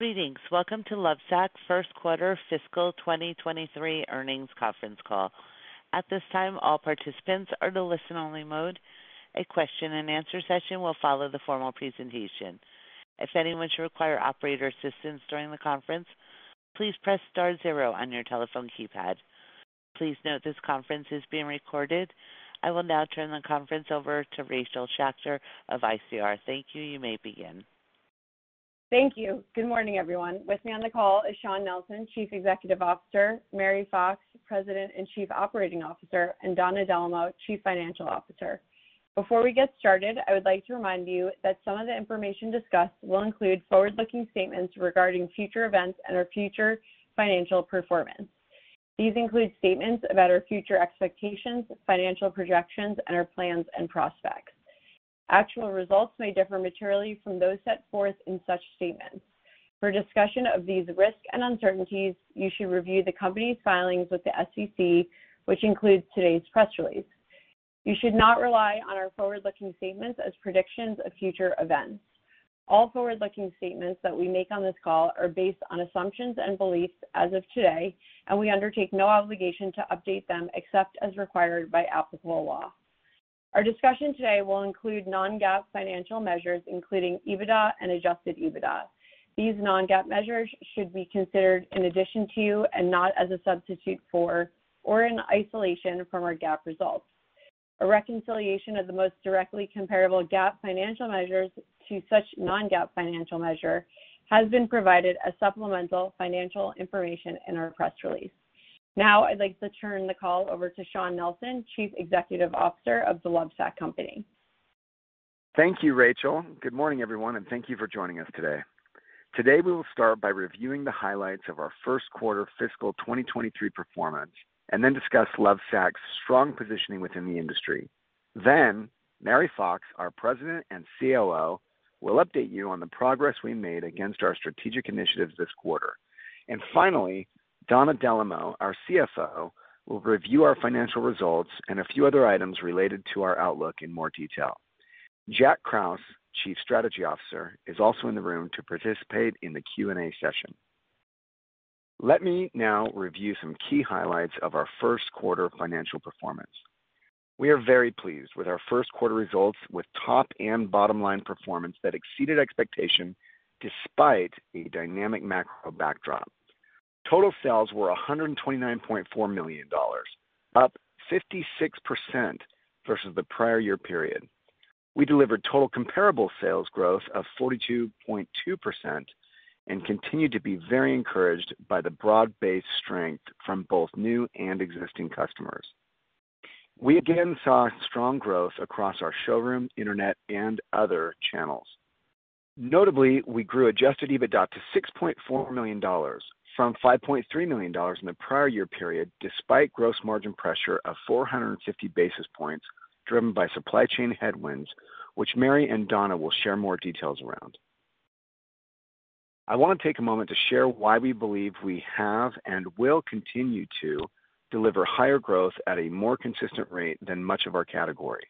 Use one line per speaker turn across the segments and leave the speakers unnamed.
Greetings. Welcome to Lovesac's First Quarter Fiscal 2023 Earnings Conference Call. At this time, all participants are in listen-only mode. A question-and-answer session will follow the formal presentation. If anyone should require operator assistance during the conference, please press star zero on your telephone keypad. Please note this conference is being recorded. I will now turn the conference over to Rachel Schacter of ICR. Thank you. You may begin.
Thank you. Good morning, everyone. With me on the call is Shawn Nelson, Chief Executive Officer, Mary Fox, President and Chief Operating Officer, and Donna Dellomo, Chief Financial Officer. Before we get started, I would like to remind you that some of the information discussed will include forward-looking statements regarding future events and our future financial performance. These include statements about our future expectations, financial projections, and our plans and prospects. Actual results may differ materially from those set forth in such statements. For discussion of these risks and uncertainties, you should review the company's filings with the SEC, which includes today's press release. You should not rely on our forward-looking statements as predictions of future events. All forward-looking statements that we make on this call are based on assumptions and beliefs as of today, and we undertake no obligation to update them except as required by applicable law. Our discussion today will include non-GAAP financial measures, including EBITDA and adjusted EBITDA. These non-GAAP measures should be considered in addition to, and not as a substitute for or in isolation from, our GAAP results. A reconciliation of the most directly comparable GAAP financial measures to such non-GAAP financial measure has been provided as supplemental financial information in our press release. Now I'd like to turn the call over to Shawn Nelson, Chief Executive Officer of The Lovesac Company.
Thank you, Rachel. Good morning, everyone, and thank you for joining us today. Today, we will start by reviewing the highlights of our first quarter fiscal 2023 performance and then discuss Lovesac's strong positioning within the industry. Mary Fox, our President and COO, will update you on the progress we made against our strategic initiatives this quarter. Finally, Donna Dellomo, our CFO, will review our financial results and a few other items related to our outlook in more detail. Jack Krause, Chief Strategy Officer, is also in the room to participate in the Q&A session. Let me now review some key highlights of our first quarter financial performance. We are very pleased with our first quarter results, with top and bottom line performance that exceeded expectation despite a dynamic macro backdrop. Total sales were $129.4 million, up 56% versus the prior year period. We delivered total comparable sales growth of 42.2% and continue to be very encouraged by the broad-based strength from both new and existing customers. We again saw strong growth across our showroom, internet, and other channels. Notably, we grew adjusted EBITDA to $6.4 million from $5.3 million in the prior year period, despite gross margin pressure of 450 basis points driven by supply chain headwinds, which Mary and Donna will share more details around. I want to take a moment to share why we believe we have and will continue to deliver higher growth at a more consistent rate than much of our category.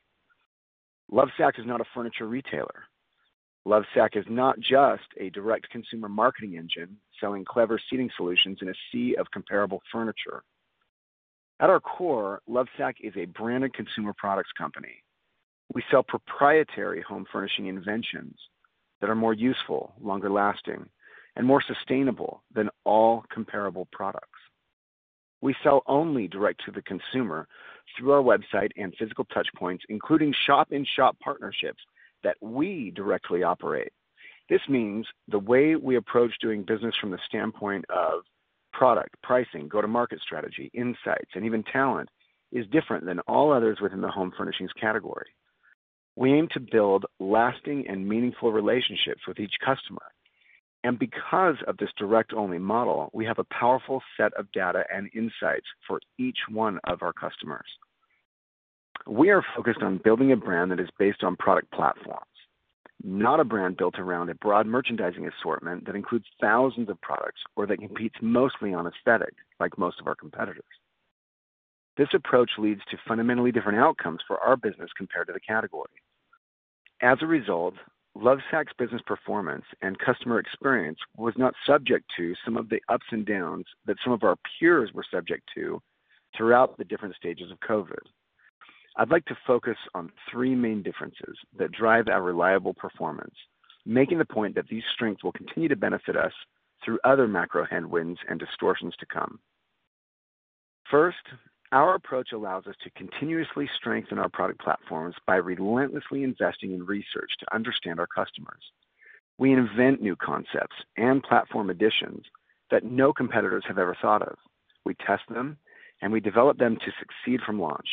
Lovesac is not a furniture retailer. Lovesac is not just a direct consumer marketing engine selling clever seating solutions in a sea of comparable furniture. At our core, Lovesac is a branded consumer products company. We sell proprietary home furnishing inventions that are more useful, longer lasting, and more sustainable than all comparable products. We sell only direct to the consumer through our website and physical touch points, including shop in shop partnerships that we directly operate. This means the way we approach doing business from the standpoint of product, pricing, go to market strategy, insights, and even talent is different than all others within the home furnishings category. We aim to build lasting and meaningful relationships with each customer. Because of this direct only model, we have a powerful set of data and insights for each one of our customers. We are focused on building a brand that is based on product platforms, not a brand built around a broad merchandising assortment that includes thousands of products or that competes mostly on aesthetic like most of our competitors. This approach leads to fundamentally different outcomes for our business compared to the category. As a result, Lovesac's business performance and customer experience was not subject to some of the ups and downs that some of our peers were subject to throughout the different stages of COVID. I'd like to focus on three main differences that drive our reliable performance, making the point that these strengths will continue to benefit us through other macro headwinds and distortions to come. First, our approach allows us to continuously strengthen our product platforms by relentlessly investing in research to understand our customers. We invent new concepts and platform additions that no competitors have ever thought of. We test them, and we develop them to succeed from launch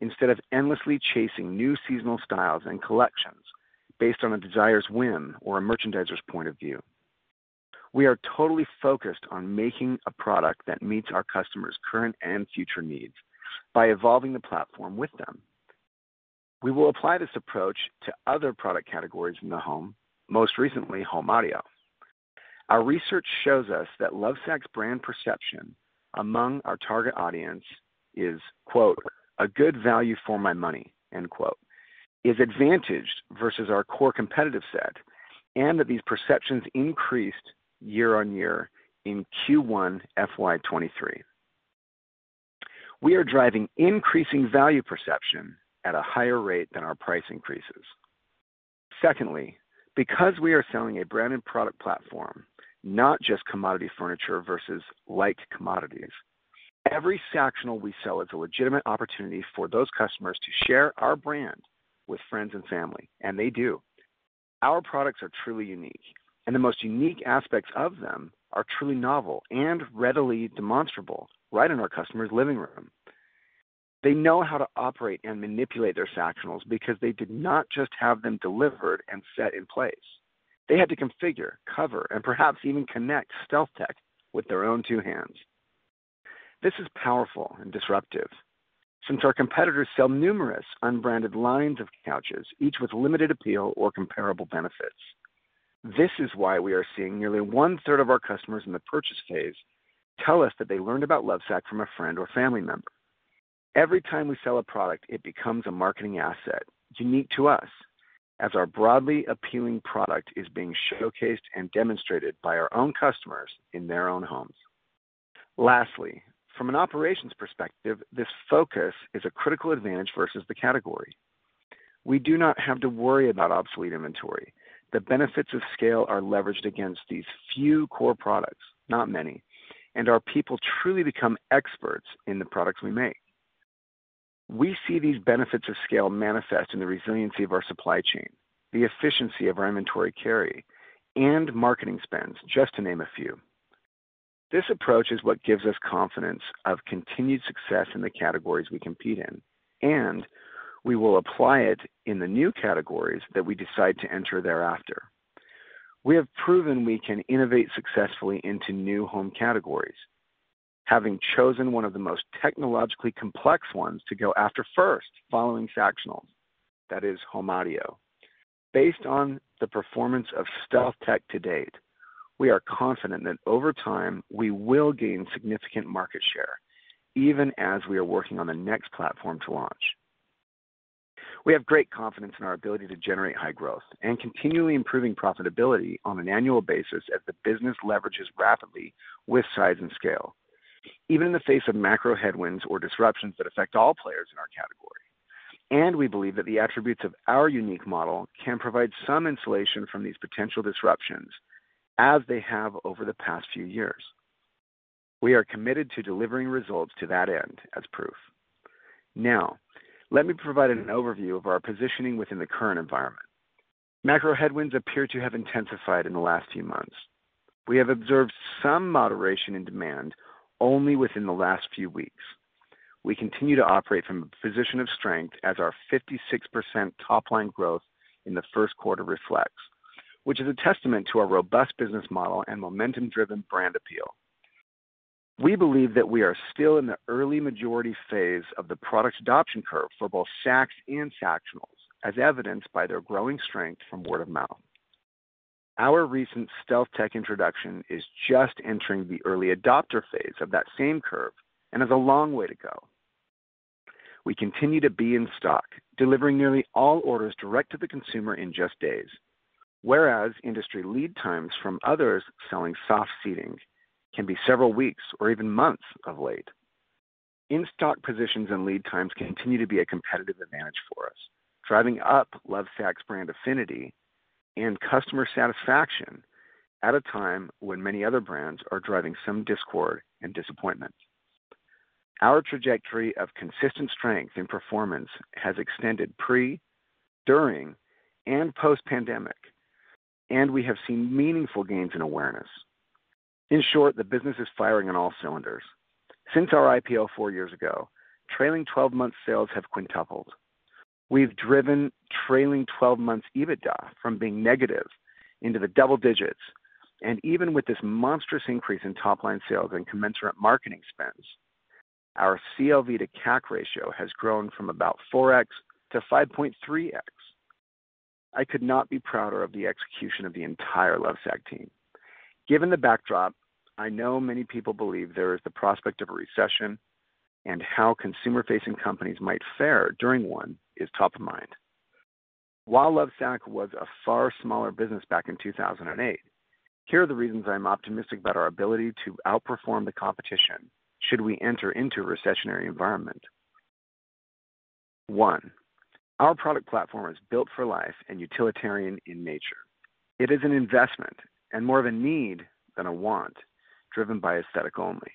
instead of endlessly chasing new seasonal styles and collections based on a designer's whim or a merchandiser's point of view. We are totally focused on making a product that meets our customers' current and future needs by evolving the platform with them. We will apply this approach to other product categories in the home, most recently home audio. Our research shows us that Lovesac's brand perception among our target audience is, quote, "A good value for my money." End quote. It is advantaged versus our core competitive set and that these perceptions increased year-on-year in Q1 FY 2023. We are driving increasing value perception at a higher rate than our price increases. Secondly, because we are selling a branded product platform, not just commodity furniture versus like commodities, every Sactional we sell is a legitimate opportunity for those customers to share our brand with friends and family, and they do. Our products are truly unique, and the most unique aspects of them are truly novel and readily demonstrable right in our customer's living room. They know how to operate and manipulate their Sactionals because they did not just have them delivered and set in place. They had to configure, cover, and perhaps even connect StealthTech with their own two hands. This is powerful and disruptive since our competitors sell numerous unbranded lines of couches, each with limited appeal or comparable benefits. This is why we are seeing nearly 1/3 of our customers in the purchase phase tell us that they learned about Lovesac from a friend or family member. Every time we sell a product, it becomes a marketing asset unique to us as our broadly appealing product is being showcased and demonstrated by our own customers in their own homes. Lastly, from an operations perspective, this focus is a critical advantage versus the category. We do not have to worry about obsolete inventory. The benefits of scale are leveraged against these few core products, not many, and our people truly become experts in the products we make. We see these benefits of scale manifest in the resiliency of our supply chain, the efficiency of our inventory carry, and marketing spends, just to name a few. This approach is what gives us confidence of continued success in the categories we compete in, and we will apply it in the new categories that we decide to enter thereafter. We have proven we can innovate successfully into new home categories, having chosen one of the most technologically complex ones to go after first following Sactionals, that is home audio. Based on the performance of StealthTech to date, we are confident that over time, we will gain significant market share even as we are working on the next platform to launch. We have great confidence in our ability to generate high growth and continually improving profitability on an annual basis as the business leverages rapidly with size and scale, even in the face of macro headwinds or disruptions that affect all players in our category. We believe that the attributes of our unique model can provide some insulation from these potential disruptions as they have over the past few years. We are committed to delivering results to that end as proof. Now, let me provide an overview of our positioning within the current environment. Macro headwinds appear to have intensified in the last few months. We have observed some moderation in demand only within the last few weeks. We continue to operate from a position of strength as our 56% top-line growth in the first quarter reflects, which is a testament to our robust business model and momentum-driven brand appeal. We believe that we are still in the early majority phase of the product adoption curve for both Sacs and Sactionals, as evidenced by their growing strength from word of mouth. Our recent StealthTech introduction is just entering the early adopter phase of that same curve and has a long way to go. We continue to be in stock, delivering nearly all orders direct to the consumer in just days, whereas industry lead times from others selling soft seating can be several weeks or even months of late. In-stock positions and lead times continue to be a competitive advantage for us, driving up Lovesac's brand affinity and customer satisfaction at a time when many other brands are driving some discord and disappointment. Our trajectory of consistent strength in performance has extended pre, during, and post-pandemic, and we have seen meaningful gains in awareness. In short, the business is firing on all cylinders. Since our IPO 4 years ago, trailing-twelve-month sales have quintupled. We've driven trailing-12-months EBITDA from being negative into the double digits, and even with this monstrous increase in top-line sales and commensurate marketing spends, our CLV:CAC ratio has grown from about 4x-5.3x. I could not be prouder of the execution of the entire Lovesac team. Given the backdrop, I know many people believe there is the prospect of a recession and how consumer-facing companies might fare during one is top of mind. While Lovesac was a far smaller business back in 2008, here are the reasons I'm optimistic about our ability to outperform the competition should we enter into a recessionary environment. One, our product platform is built for life and utilitarian in nature. It is an investment and more of a need than a want driven by aesthetic only.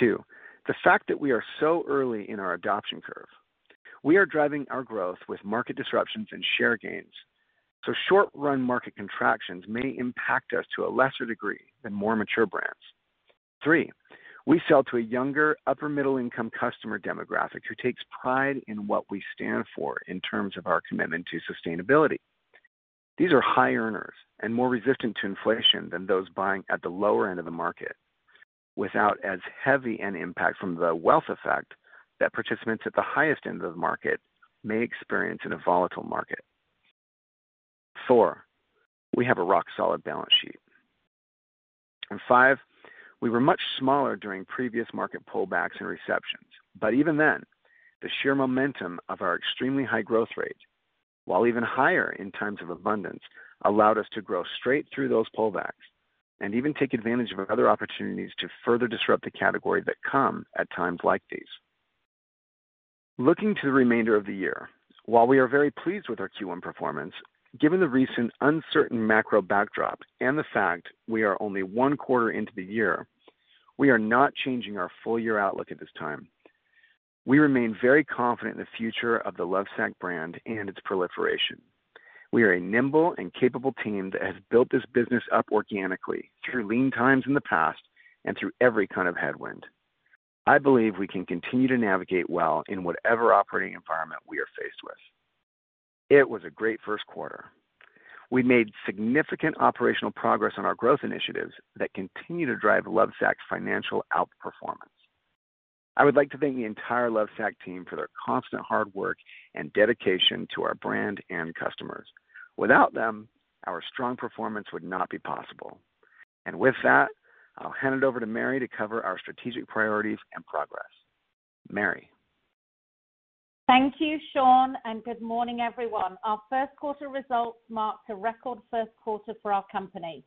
Two, the fact that we are so early in our adoption curve, we are driving our growth with market disruptions and share gains, so short-run market contractions may impact us to a lesser degree than more mature brands. Three, we sell to a younger, upper middle-income customer demographic who takes pride in what we stand for in terms of our commitment to sustainability. These are high earners and more resistant to inflation than those buying at the lower end of the market without as heavy an impact from the wealth effect that participants at the highest end of the market may experience in a volatile market. Four, we have a rock solid balance sheet. Five, we were much smaller during previous market pullbacks and receptions. Even then, the sheer momentum of our extremely high growth rate, while even higher in times of abundance, allowed us to grow straight through those pullbacks and even take advantage of other opportunities to further disrupt the category that come at times like these. Looking to the remainder of the year, while we are very pleased with our Q1 performance, given the recent uncertain macro backdrop and the fact we are only one quarter into the year, we are not changing our full-year outlook at this time. We remain very confident in the future of the Lovesac brand and its proliferation. We are a nimble and capable team that has built this business up organically through lead times in the past and through every kind of headwind. I believe we can continue to navigate well in whatever operating environment we are faced with. It was a great first quarter. We made significant operational progress on our growth initiatives that continue to drive Lovesac's financial outperformance. I would like to thank the entire Lovesac team for their constant hard work and dedication to our brand and customers. Without them, our strong performance would not be possible. With that, I'll hand it over to Mary to cover our strategic priorities and progress. Mary.
Thank you, Shawn, and good morning, everyone. Our first quarter results marked a record first quarter for our company.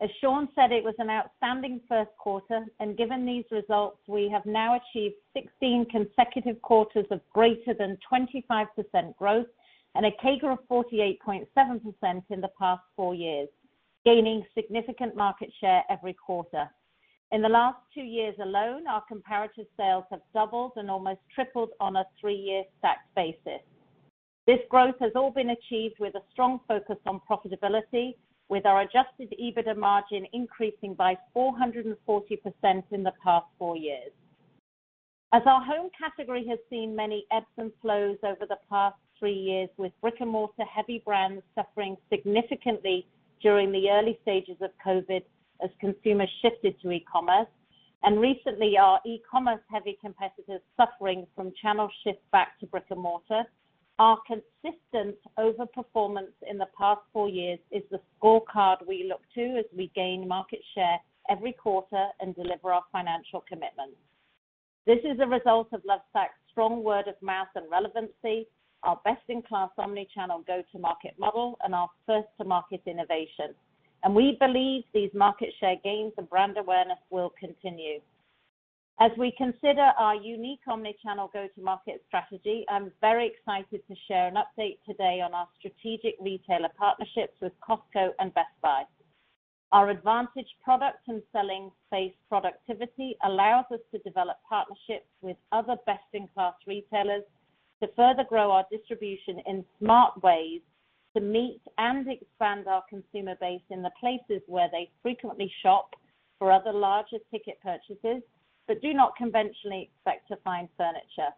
As Shawn said, it was an outstanding first quarter, and given these results, we have now achieved 16 consecutive quarters of greater than 25% growth and a CAGR of 48.7% in the past four years, gaining significant market share every quarter. In the last two years alone, our comparative sales have doubled and almost tripled on a three-year stack basis. This growth has all been achieved with a strong focus on profitability, with our adjusted EBITDA margin increasing by 440% in the past four years. As our home category has seen many ebbs and flows over the past three years, with brick-and-mortar heavy brands suffering significantly during the early stages of COVID as consumers shifted to e-commerce, and recently our e-commerce heavy competitors suffering from channel shift back to brick and mortar. Our consistent over-performance in the past four years is the scorecard we look to as we gain market share every quarter and deliver our financial commitments. This is a result of Lovesac's strong word of mouth and relevancy, our best-in-class omni-channel go-to-market model, and our first-to-market innovation. We believe these market share gains and brand awareness will continue. As we consider our unique omni-channel go-to-market strategy, I'm very excited to share an update today on our strategic retailer partnerships with Costco and Best Buy. Our advantage product and selling space productivity allows us to develop partnerships with other best-in-class retailers to further grow our distribution in smart ways to meet and expand our consumer base in the places where they frequently shop for other larger ticket purchases, but do not conventionally expect to find furniture.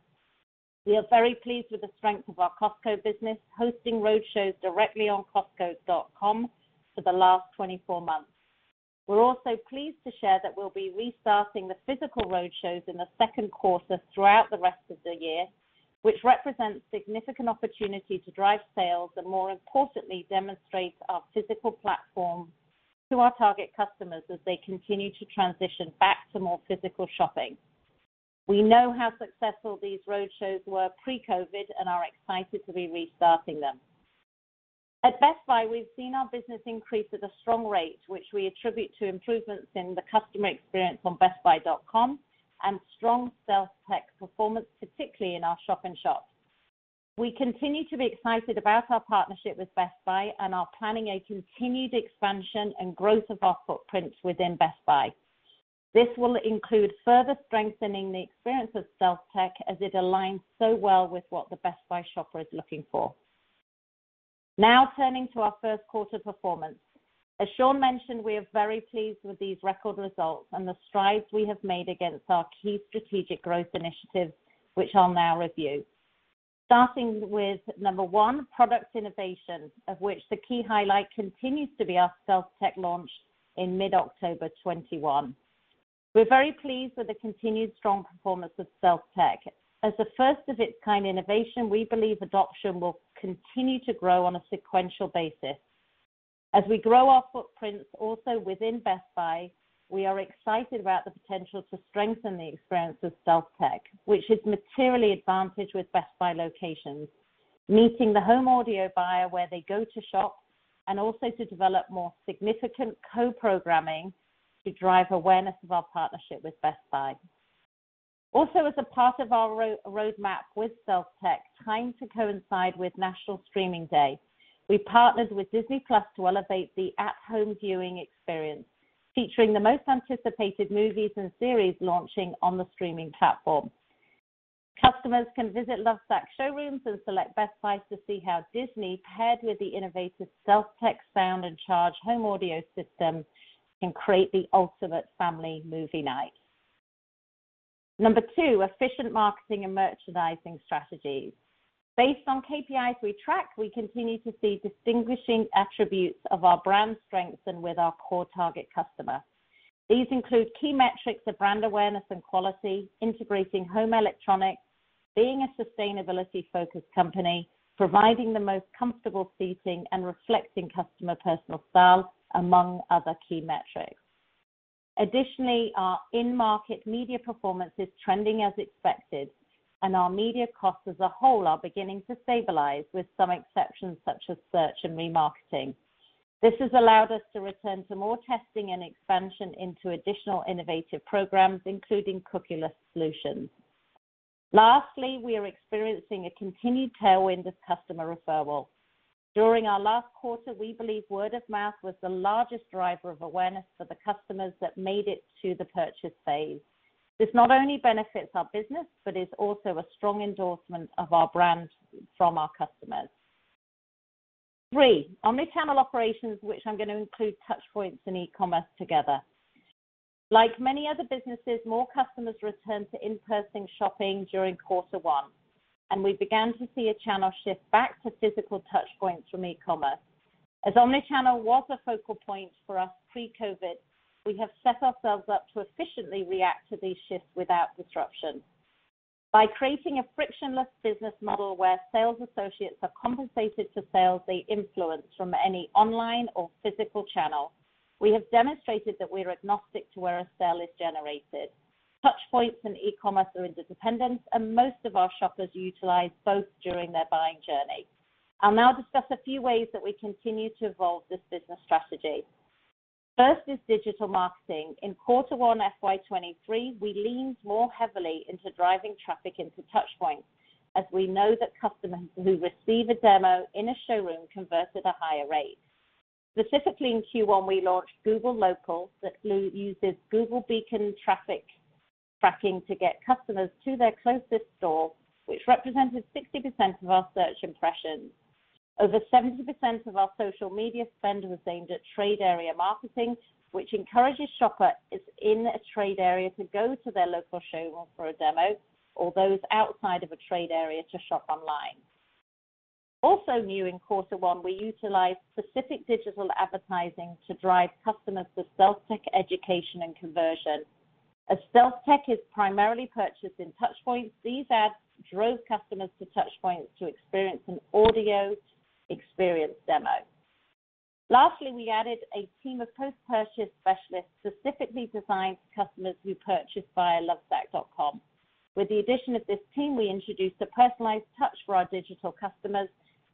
We are very pleased with the strength of our Costco business, hosting roadshows directly on costco.com for the last 24 months. We're also pleased to share that we'll be restarting the physical roadshows in the second quarter throughout the rest of the year, which represents significant opportunity to drive sales and, more importantly, demonstrate our physical platform to our target customers as they continue to transition back to more physical shopping. We know how successful these roadshows were pre-COVID and are excited to be restarting them. At Best Buy, we've seen our business increase at a strong rate, which we attribute to improvements in the customer experience on bestbuy.com and strong StealthTech performance, particularly in our shop in shops. We continue to be excited about our partnership with Best Buy and are planning a continued expansion and growth of our footprints within Best Buy. This will include further strengthening the experience of StealthTech as it aligns so well with what the Best Buy shopper is looking for. Now turning to our first quarter performance. As Shawn mentioned, we are very pleased with these record results and the strides we have made against our key strategic growth initiatives, which I'll now review. Starting with number one, product innovation, of which the key highlight continues to be our StealthTech launch in mid-October 2021. We're very pleased with the continued strong performance of StealthTech. As the first of its kind innovation, we believe adoption will continue to grow on a sequential basis. As we grow our footprints also within Best Buy, we are excited about the potential to strengthen the experience of StealthTech, which is materially advantaged with Best Buy locations, meeting the home audio buyer where they go to shop and also to develop more significant co-programming to drive awareness of our partnership with Best Buy. Also as a part of our roadmap with StealthTech, timed to coincide with National Streaming Day, we partnered with Disney+ to elevate the at-home viewing experience, featuring the most anticipated movies and series launching on the streaming platform. Customers can visit Lovesac showrooms and select Best Buy to see how Disney+, paired with the innovative StealthTech sound and charge home audio system, can create the ultimate family movie night. Number two, efficient marketing and merchandising strategies. Based on KPIs we track, we continue to see distinguishing attributes of our brand strengths and with our core target customer. These include key metrics of brand awareness and quality, integrating home electronics, being a sustainability-focused company, providing the most comfortable seating, and reflecting customer personal style, among other key metrics. Additionally, our in-market media performance is trending as expected, and our media costs as a whole are beginning to stabilize, with some exceptions such as search and remarketing. This has allowed us to return to more testing and expansion into additional innovative programs, including cookieless solutions. Lastly, we are experiencing a continued tailwind of customer referral. During our last quarter, we believe word of mouth was the largest driver of awareness for the customers that made it to the purchase phase. This not only benefits our business, but is also a strong endorsement of our brand from our customers. Three, omnichannel operations, which I'm gonna include touchpoints and e-commerce together. Like many other businesses, more customers returned to in-person shopping during quarter one, and we began to see a channel shift back to physical touchpoints from e-commerce. As omnichannel was a focal point for us pre-COVID, we have set ourselves up to efficiently react to these shifts without disruption. By creating a frictionless business model where sales associates are compensated to sales they influence from any online or physical channel, we have demonstrated that we're agnostic to where a sale is generated. Touchpoints and e-commerce are interdependent, and most of our shoppers utilize both during their buying journey. I'll now discuss a few ways that we continue to evolve this business strategy. First is digital marketing. In Q1 FY 2023, we leaned more heavily into driving traffic into touchpoints, as we know that customers who receive a demo in a showroom convert at a higher rate. Specifically in Q1, we launched Google Local that uses Google Beacon traffic tracking to get customers to their closest store, which represented 60% of our search impressions. Over 70% of our social media spend was aimed at trade area marketing, which encourages shoppers in a trade area to go to their local showroom for a demo, or those outside of a trade area to shop online. Also new in Q1, we utilized specific digital advertising to drive customers to StealthTech education and conversion. As StealthTech is primarily purchased in touchpoints, these ads drove customers to touchpoints to experience an audio experience demo. Lastly, we added a team of post-purchase specialists specifically designed for customers who purchased via lovesac.com. With the addition of this team, we introduced a personalized touch for our digital customers,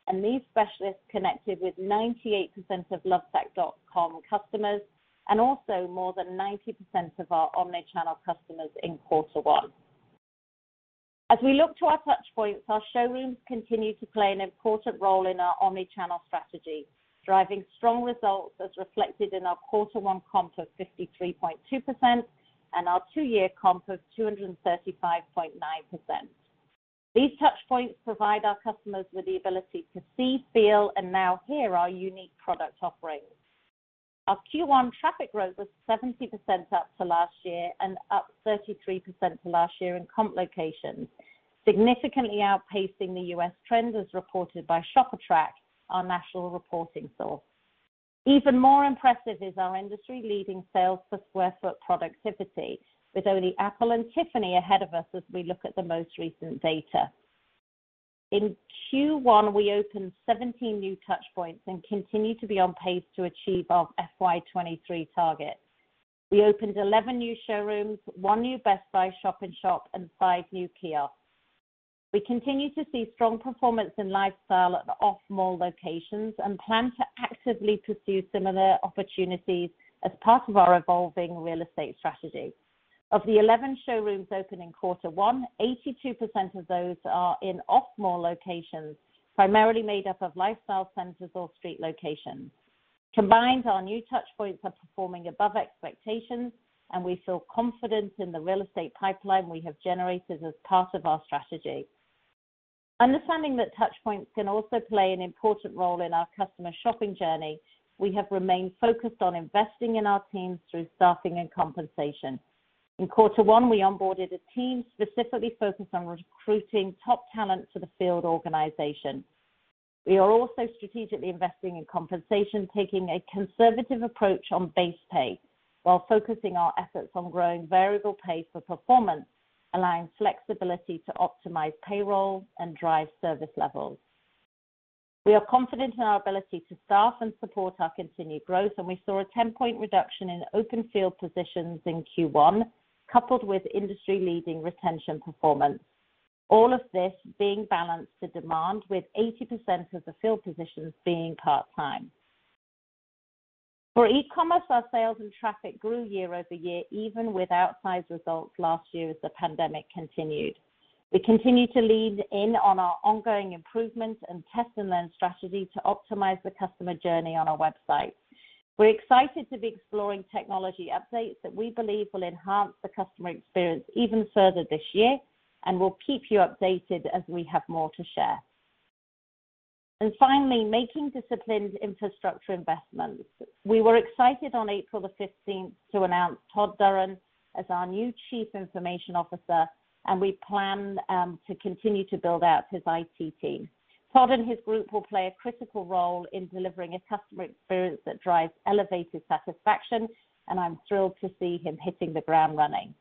and these specialists connected with 98% of lovesac.com customers and also more than 90% of our omnichannel customers in quarter one. As we look to our touchpoints, our showrooms continue to play an important role in our omnichannel strategy, driving strong results as reflected in our quarter one comp of 53.2% and our two-year comp of 235.9%. These touchpoints provide our customers with the ability to see, feel, and now hear our unique product offerings. Our Q1 traffic growth was up 70% to last year and up 33% to last year in comp locations, significantly outpacing the U.S. trend as reported by ShopperTrak, our national reporting source. Even more impressive is our industry-leading sales per square foot productivity, with only Apple and Tiffany ahead of us as we look at the most recent data. In Q1, we opened 17 new touchpoints and continue to be on pace to achieve our FY 2023 targets. We opened 11 new showrooms, one new Best Buy shop-in-shop, and five new kiosks. We continue to see strong performance in lifestyle and off-mall locations and plan to actively pursue similar opportunities as part of our evolving real estate strategy. Of the 11 showrooms opened in Q1, 82% of those are in off-mall locations, primarily made up of lifestyle centers or street locations. Combined, our new touchpoints are performing above expectations, and we feel confident in the real estate pipeline we have generated as part of our strategy. Understanding that touchpoints can also play an important role in our customer shopping journey, we have remained focused on investing in our teams through staffing and compensation. In quarter one, we onboarded a team specifically focused on recruiting top talent for the field organization. We are also strategically investing in compensation, taking a conservative approach on base pay while focusing our efforts on growing variable pay for performance, allowing flexibility to optimize payroll and drive service levels. We are confident in our ability to staff and support our continued growth, and we saw a 10-point reduction in open field positions in Q one, coupled with industry-leading retention performance. All of this being balanced to demand, with 80% of the field positions being part-time. For e-commerce, our sales and traffic grew year-over-year, even with outsized results last year as the pandemic continued. We continue to lean in on our ongoing improvements and test and learn strategy to optimize the customer journey on our website. We're excited to be exploring technology updates that we believe will enhance the customer experience even further this year, and we'll keep you updated as we have more to share. Finally, making disciplined infrastructure investments. We were excited on April 15 to announce Todd Duran as our new Chief Information Officer, and we plan to continue to build out his IT team. Todd and his group will play a critical role in delivering a customer experience that drives elevated satisfaction, and I'm thrilled to see him hitting the ground running.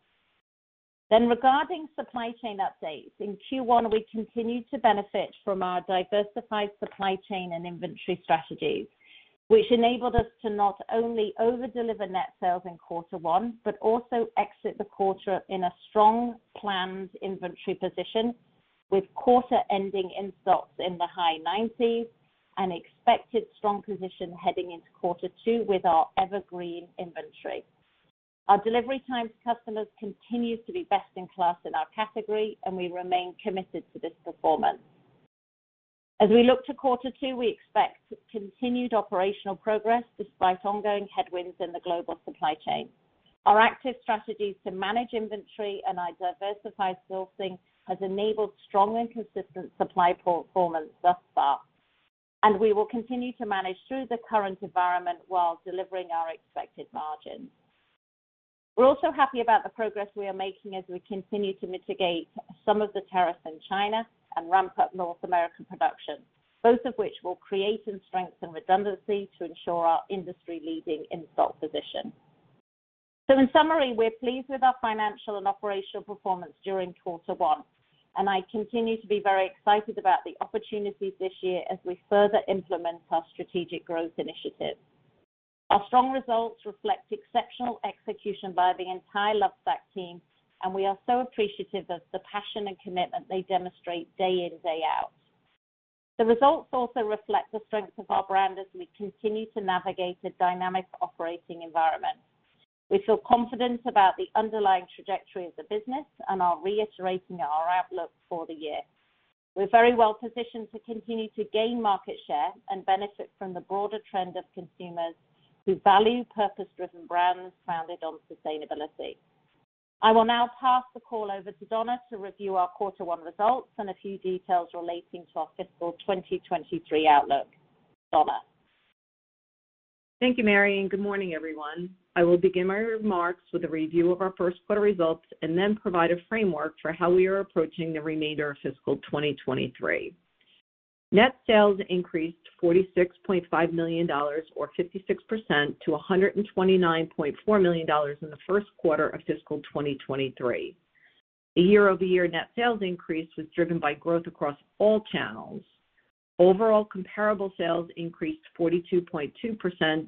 Regarding supply chain updates. In Q1, we continued to benefit from our diversified supply chain and inventory strategies, which enabled us to not only over-deliver net sales in quarter one, but also exit the quarter in a strong planned inventory position with quarter-ending in stocks in the high 90s and expected strong position heading into quarter two with our evergreen inventory. Our delivery times to customers continues to be best in class in our category, and we remain committed to this performance. As we look to quarter two, we expect continued operational progress despite ongoing headwinds in the global supply chain. Our active strategies to manage inventory and our diversified sourcing has enabled strong and consistent supply performance thus far, and we will continue to manage through the current environment while delivering our expected margins. We're also happy about the progress we are making as we continue to mitigate some of the tariffs in China and ramp up North American production, both of which will create and strengthen redundancy to ensure our industry-leading install position. In summary, we're pleased with our financial and operational performance during quarter one, and I continue to be very excited about the opportunities this year as we further implement our strategic growth initiatives. Our strong results reflect exceptional execution by the entire Lovesac team, and we are so appreciative of the passion and commitment they demonstrate day in, day out. The results also reflect the strength of our brand as we continue to navigate a dynamic operating environment. We feel confident about the underlying trajectory of the business and are reiterating our outlook for the year. We're very well positioned to continue to gain market share and benefit from the broader trend of consumers who value purpose-driven brands founded on sustainability. I will now pass the call over to Donna to review our quarter one results and a few details relating to our fiscal 2023 outlook. Donna.
Thank you, Mary, and good morning, everyone. I will begin my remarks with a review of our first quarter results and then provide a framework for how we are approaching the remainder of fiscal 2023. Net sales increased $46.5 million or 56% to $129.4 million in the first quarter of fiscal 2023. The year-over-year net sales increase was driven by growth across all channels. Overall comparable sales increased 42.2%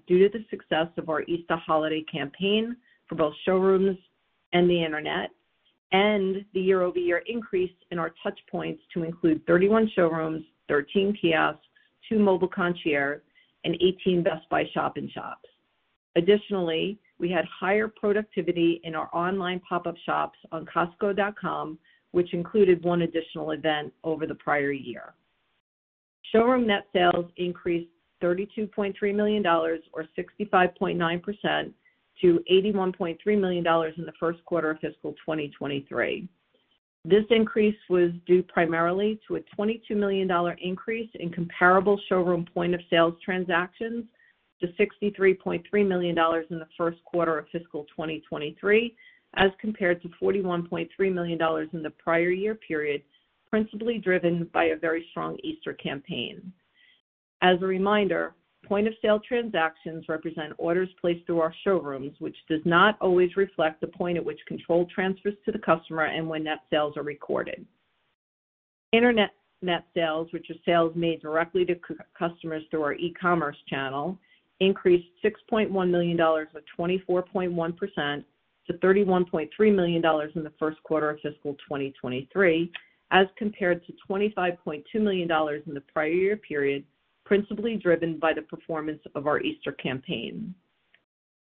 due to the success of our Easter holiday campaign for both showrooms and the internet, and the year-over-year increase in our touch points to include 31 showrooms, 13 kiosks, two mobile concierge, and 18 Best Buy shop-in-shops. Additionally, we had higher productivity in our online pop-up shops on Costco.com, which included one additional event over the prior year. Showroom net sales increased $32.3 million or 65.9% to $81.3 million in the first quarter of fiscal 2023. This increase was due primarily to a $22 million increase in comparable showroom point-of-sale transactions to $63.3 million in the first quarter of fiscal 2023, as compared to $41.3 million in the prior year period, principally driven by a very strong Easter campaign. As a reminder, point-of-sale transactions represent orders placed through our showrooms, which does not always reflect the point at which control transfers to the customer and when net sales are recorded. Internet net sales, which are sales made directly to customers through our e-commerce channel, increased $6.1 million or 24.1% to $31.3 million in the first quarter of fiscal 2023, as compared to $25.2 million in the prior year period, principally driven by the performance of our Easter campaign.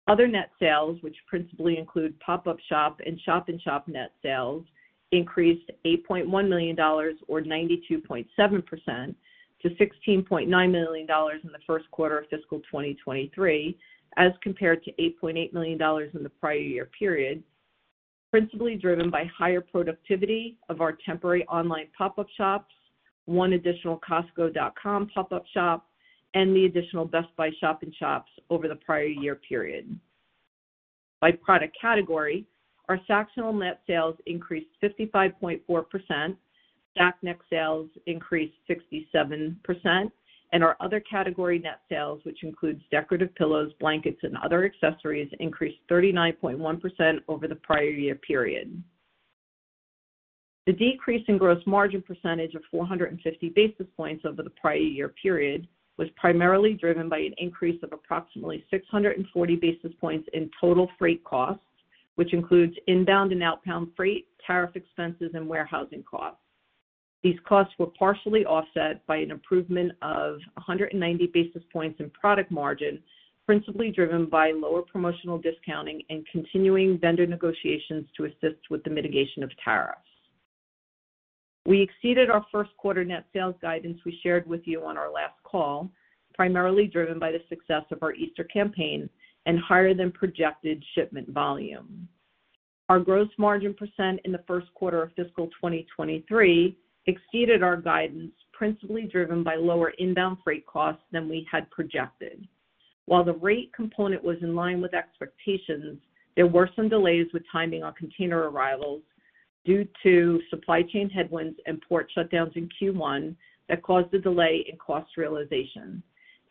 Other net sales, which principally include pop-up shop and shop in shop net sales, increased $8.1 million or 92.7% to $16.9 million in the first quarter of fiscal 2023, as compared to $8.8 million in the prior year period, principally driven by higher productivity of our temporary online pop-up shops, one additional costco.com pop-up shop, and the additional Best Buy shop in shops over the prior year period. By product category, our Sactionals net sales increased 55.4%, Sacs net sales increased 67%, and our other category net sales, which includes decorative pillows, blankets, and other accessories, increased 39.1% over the prior year period. The decrease in gross margin percentage of 450 basis points over the prior year period was primarily driven by an increase of approximately 640 basis points in total freight costs, which includes inbound and outbound freight, tariff expenses, and warehousing costs. These costs were partially offset by an improvement of 190 basis points in product margin, principally driven by lower promotional discounting and continuing vendor negotiations to assist with the mitigation of tariffs. We exceeded our first quarter net sales guidance we shared with you on our last call, primarily driven by the success of our Easter campaign and higher-than-projected shipment volume. Our gross margin percent in the first quarter of fiscal 2023 exceeded our guidance, principally driven by lower inbound freight costs than we had projected. While the rate component was in line with expectations, there were some delays with timing on container arrivals due to supply chain headwinds and port shutdowns in Q1 that caused a delay in cost realization.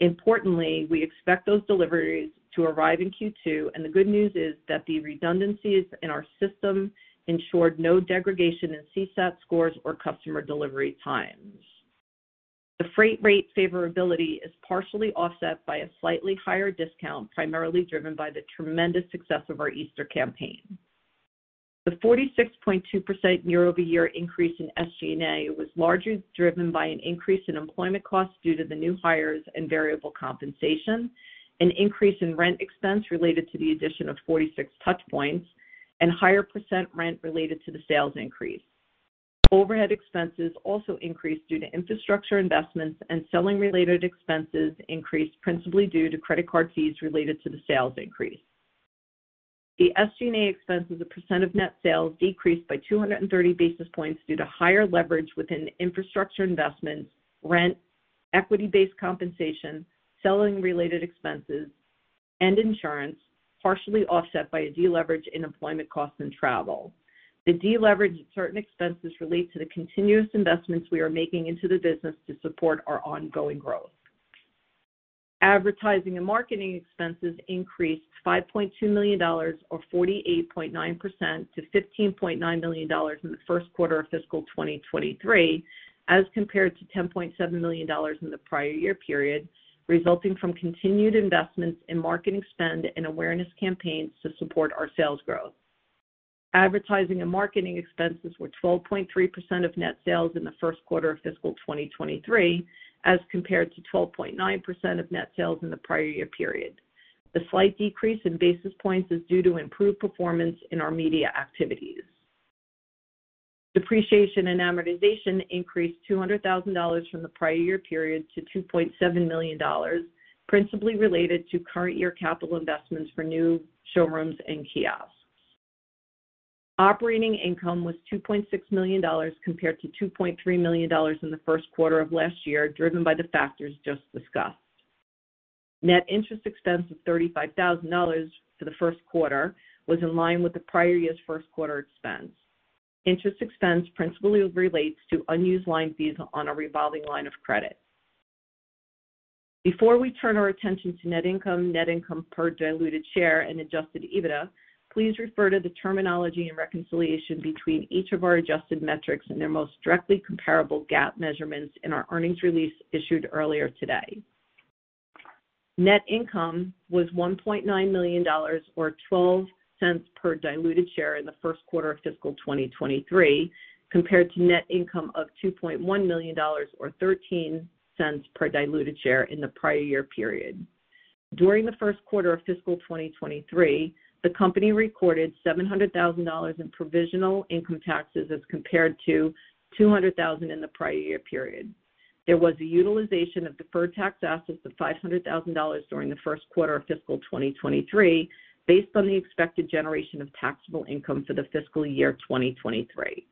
Importantly, we expect those deliveries to arrive in Q2, and the good news is that the redundancies in our system ensured no degradation in CSAT scores or customer delivery times. The freight rate favorability is partially offset by a slightly higher discount, primarily driven by the tremendous success of our Easter campaign. The 46.2% year-over-year increase in SG&A was largely driven by an increase in employment costs due to the new hires and variable compensation, an increase in rent expense related to the addition of 46 touch points, and higher percentage rent related to the sales increase. Overhead expenses also increased due to infrastructure investments, and selling-related expenses increased principally due to credit card fees related to the sales increase. The SG&A expense as a percent of net sales decreased by 230 basis points due to higher leverage within infrastructure investments, rent, equity-based compensation, selling-related expenses, and insurance, partially offset by a deleverage in employment costs and travel. The deleverage in certain expenses relate to the continuous investments we are making into the business to support our ongoing growth. Advertising and marketing expenses increased $5.2 million or 48.9% to $15.9 million in the first quarter of fiscal 2023, as compared to $10.7 million in the prior year period, resulting from continued investments in marketing spend and awareness campaigns to support our sales growth. Advertising and marketing expenses were 12.3% of net sales in the first quarter of fiscal 2023, as compared to 12.9% of net sales in the prior year period. The slight decrease in basis points is due to improved performance in our media activities. Depreciation and amortization increased $200,000 from the prior year period to $2.7 million, principally related to current year capital investments for new showrooms and kiosks. Operating income was $2.6 million compared to $2.3 million in the first quarter of last year, driven by the factors just discussed. Net interest expense of $35,000 for the first quarter was in line with the prior year's first quarter expense. Interest expense principally relates to unused line fees on a revolving line of credit. Before we turn our attention to net income, net income per diluted share, and adjusted EBITDA, please refer to the terminology and reconciliation between each of our adjusted metrics and their most directly comparable GAAP measurements in our earnings release issued earlier today. Net income was $1.9 million or $0.12 per diluted share in the first quarter of fiscal 2023, compared to net income of $2.1 million or $0.13 per diluted share in the prior year period. During the first quarter of fiscal 2023, the company recorded $700,000 in provisional income taxes as compared to $200,000 in the prior year period. There was a utilization of deferred tax assets of $500,000 during the first quarter of fiscal 2023 based on the expected generation of taxable income for the fiscal year 2023.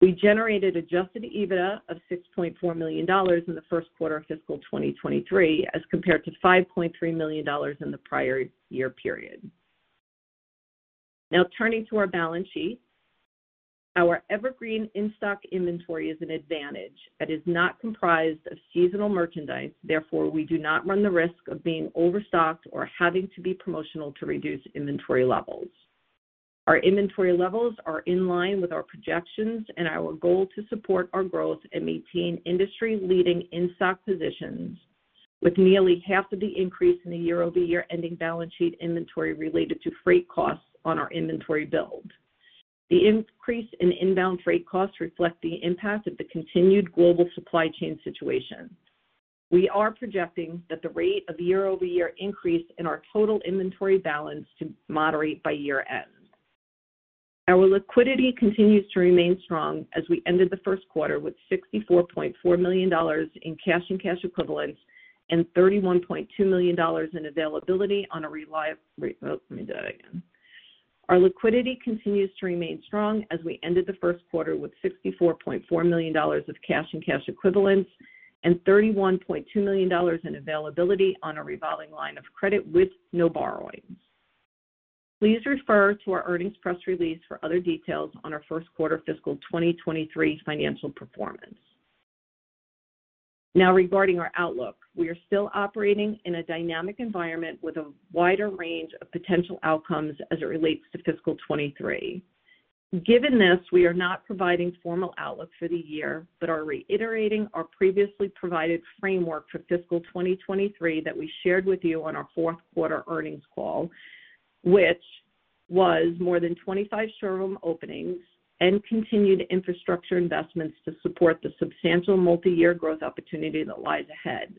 We generated adjusted EBITDA of $6.4 million in the first quarter of fiscal 2023 as compared to $5.3 million in the prior year period. Now turning to our balance sheet. Our evergreen in-stock inventory is an advantage that is not comprised of seasonal merchandise. Therefore, we do not run the risk of being overstocked or having to be promotional to reduce inventory levels. Our inventory levels are in line with our projections and our goal to support our growth and maintain industry-leading in-stock positions, with nearly half of the increase in the year-over-year ending balance sheet inventory related to freight costs on our inventory build. The increase in inbound freight costs reflect the impact of the continued global supply chain situation. We are projecting that the rate of year-over-year increase in our total inventory balance to moderate by year-end. Our liquidity continues to remain strong as we ended the first quarter with $64.4 million in cash and cash equivalents and $31.2 million in availability. Our liquidity continues to remain strong as we ended the first quarter with $64.4 million of cash and cash equivalents and $31.2 million in availability on a revolving line of credit with no borrowings. Please refer to our earnings press release for other details on our first quarter fiscal 2023 financial performance. Now regarding our outlook. We are still operating in a dynamic environment with a wider range of potential outcomes as it relates to fiscal 2023. Given this, we are not providing formal outlook for the year, but are reiterating our previously provided framework for fiscal 2023 that we shared with you on our fourth quarter earnings call, which was more than 25 showroom openings and continued infrastructure investments to support the substantial multi-year growth opportunity that lies ahead.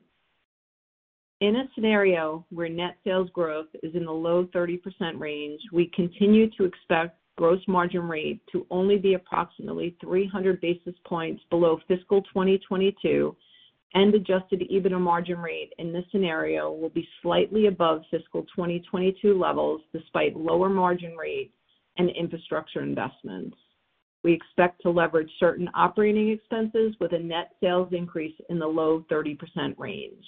In a scenario where net sales growth is in the low 30% range, we continue to expect gross margin rate to only be approximately 300 basis points below fiscal 2022, and adjusted EBITDA margin rate in this scenario will be slightly above fiscal 2022 levels despite lower margin rates and infrastructure investments. We expect to leverage certain operating expenses with a net sales increase in the low 30% range.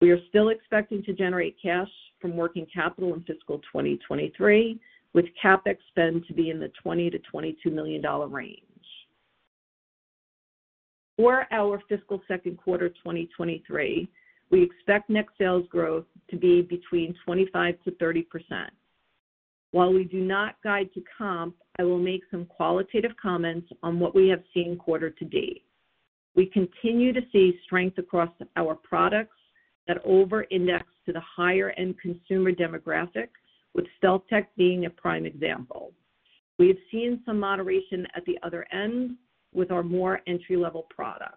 We are still expecting to generate cash from working capital in fiscal 2023, with CapEx spend to be in the $20 million to $22 million range. For our fiscal second quarter 2023, we expect net sales growth to be between 25%-30%. While we do not guide to comp, I will make some qualitative comments on what we have seen quarter-to-date. We continue to see strength across our products that over-index to the higher end consumer demographics, with StealthTech being a prime example. We have seen some moderation at the other end with our more entry-level products.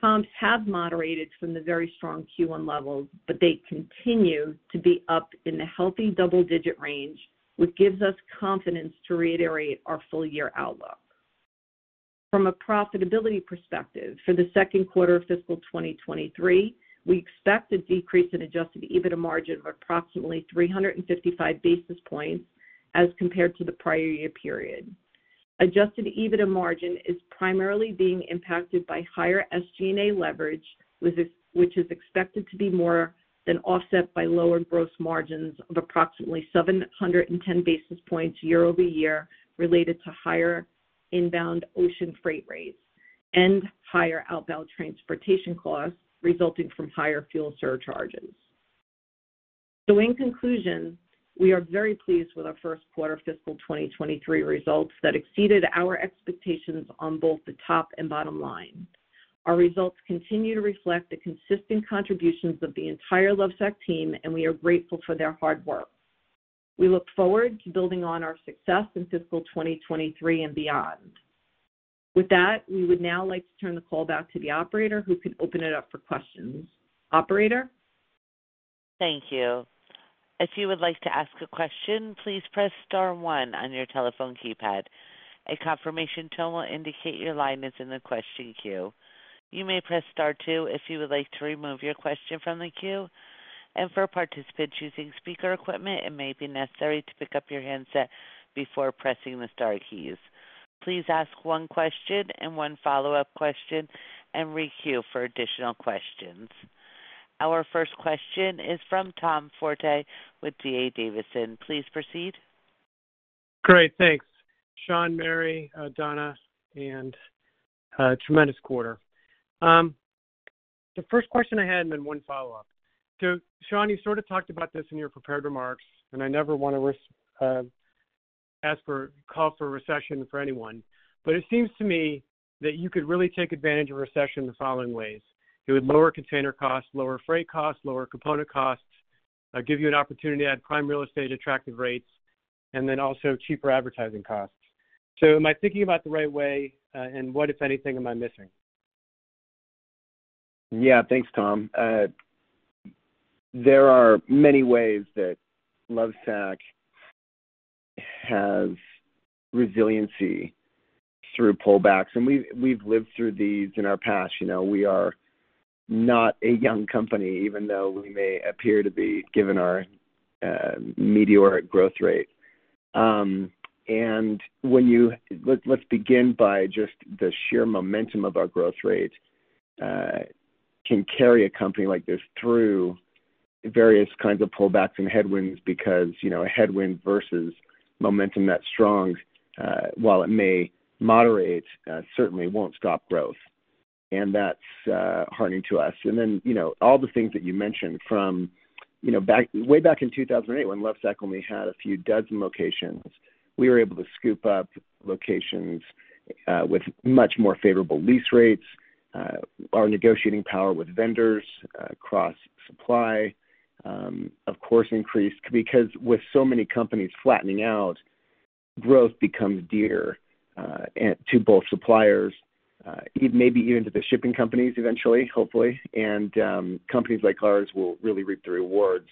Comps have moderated from the very strong Q1 levels, but they continue to be up in the healthy double-digit range, which gives us confidence to reiterate our full-year outlook. From a profitability perspective, for the second quarter of fiscal 2023, we expect a decrease in adjusted EBITDA margin of approximately 355 basis points as compared to the prior year period. Adjusted EBITDA margin is primarily being impacted by higher SG&A leverage, which is expected to be more than offset by lower gross margins of approximately 710 basis points year-over-year related to higher inbound ocean freight rates and higher outbound transportation costs resulting from higher fuel surcharges. In conclusion, we are very pleased with our first quarter fiscal 2023 results that exceeded our expectations on both the top and bottom line. Our results continue to reflect the consistent contributions of the entire Lovesac team, and we are grateful for their hard work. We look forward to building on our success in fiscal 2023 and beyond. With that, we would now like to turn the call back to the operator who can open it up for questions. Operator?
Thank you. If you would like to ask a question, please press star one on your telephone keypad. A confirmation tone will indicate your line is in the question queue. You may press star two if you would like to remove your question from the queue. For participants using speaker equipment, it may be necessary to pick up your handset before pressing the star keys. Please ask one question and one follow-up question and re-queue for additional questions. Our first question is from Tom Forte with D.A. Davidson. Please proceed.
Great. Thanks. Shawn, Mary, Donna, and tremendous quarter. The first question I had and then one follow-up. Sean, you sort of talked about this in your prepared remarks, and I never wanna risk call for a recession for anyone, but it seems to me that you could really take advantage of a recession the following ways. It would lower container costs, lower freight costs, lower component costs, give you an opportunity to add prime real estate, attractive rates, and then also cheaper advertising costs. Am I thinking about the right way, and what, if anything, am I missing?
Thanks, Tom. There are many ways that Lovesac has resiliency through pullbacks, and we've lived through these in our past. We are not a young company, even though we may appear to be, given our meteoric growth rate. Let's begin by just the sheer momentum of our growth rate can carry a company like this through various kinds of pullbacks and headwinds because a headwind versus momentum that strong, while it may moderate, certainly won't stop growth. That's heartening to us. Then all the things that you mentioned from back. Way back in 2008, when Lovesac only had a few dozen locations, we were able to scoop up locations with much more favorable lease rates, our negotiating power with vendors across supply, of course, increased because with so many companies flattening out, growth becomes dear to both suppliers, maybe even to the shipping companies eventually, hopefully. Companies like ours will really reap the rewards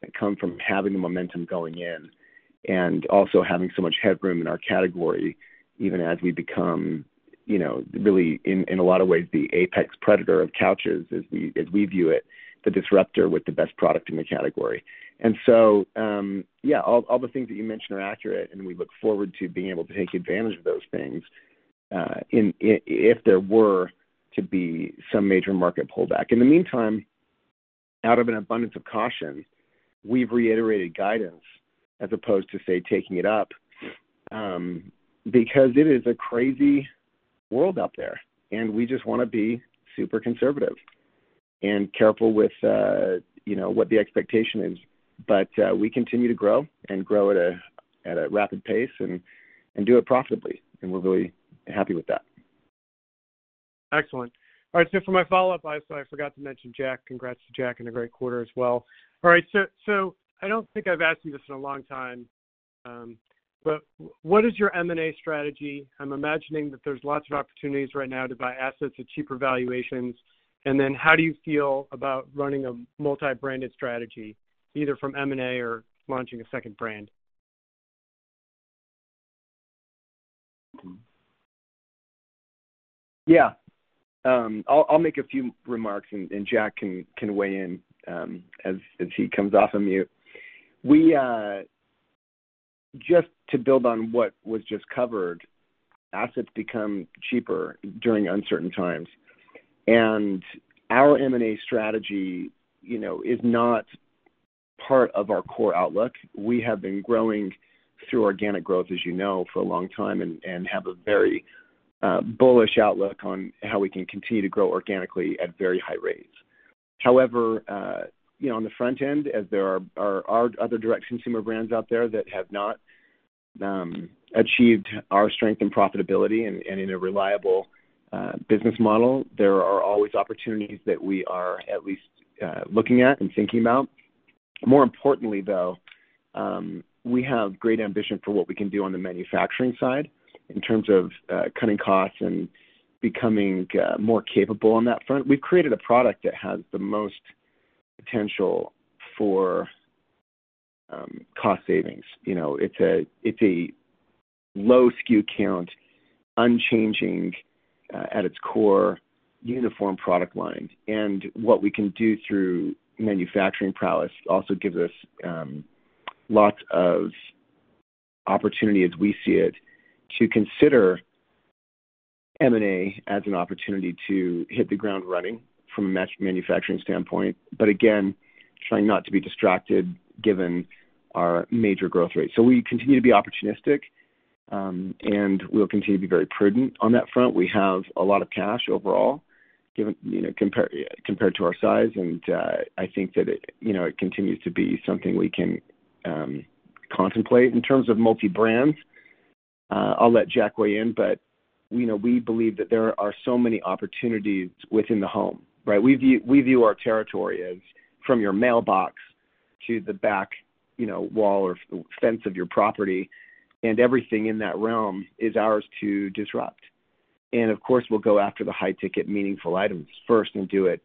that come from having the momentum going in and also having so much headroom in our category, even as we become, you know, really, in a lot of ways, the apex predator of couches as we view it, the disruptor with the best product in the category. All the things that you mentioned are accurate, and we look forward to being able to take advantage of those things, if there were to be some major market pullback. In the meantime, out of an abundance of caution, we've reiterated guidance as opposed to, say, taking it up, because it is a crazy world out there, and we just wanna be super conservative and careful with what the expectation is. We continue to grow at a rapid pace and do it profitably, and we're really happy with that.
Excellent. All right. For my follow-up, I forgot to mention Jack. Congrats to Jack in a great quarter as well. All right, I don't think I've asked you this in a long time, but what is your M&A strategy? I'm imagining that there's lots of opportunities right now to buy assets at cheaper valuations. How do you feel about running a multi-branded strategy, either from M&A or launching a second brand?
I'll make a few remarks and Jack can weigh in as he comes off of mute. Just to build on what was just covered, assets become cheaper during uncertain times. Our M&A strategy, you know, is not part of our core outlook. We have been growing through organic growth, as you know, for a long time and have a very bullish outlook on how we can continue to grow organically at very high rates. However, on the front end, as there are other direct consumer brands out there that have not achieved our strength and profitability and in a reliable business model, there are always opportunities that we are at least looking at and thinking about. More importantly, though, we have great ambition for what we can do on the manufacturing side in terms of cutting costs and becoming more capable on that front. We've created a product that has the most potential for cost savings. It's a low SKU count, unchanging at its core, uniform product line. What we can do through manufacturing prowess also gives us lots of opportunity as we see it, to consider M&A as an opportunity to hit the ground running from a manufacturing standpoint. Again, trying not to be distracted given our major growth rate. We continue to be opportunistic, and we'll continue to be very prudent on that front. We have a lot of cash overall given. Compared to our size, and I think that it, you know, it continues to be something we can contemplate. In terms of multi-brands, I'll let Jack weigh in, but we believe that there are so many opportunities within the home, right? We view our territory as from your mailbox to the back wall or fence of your property, and everything in that realm is ours to disrupt. Of course, we'll go after the high-ticket meaningful items first and do it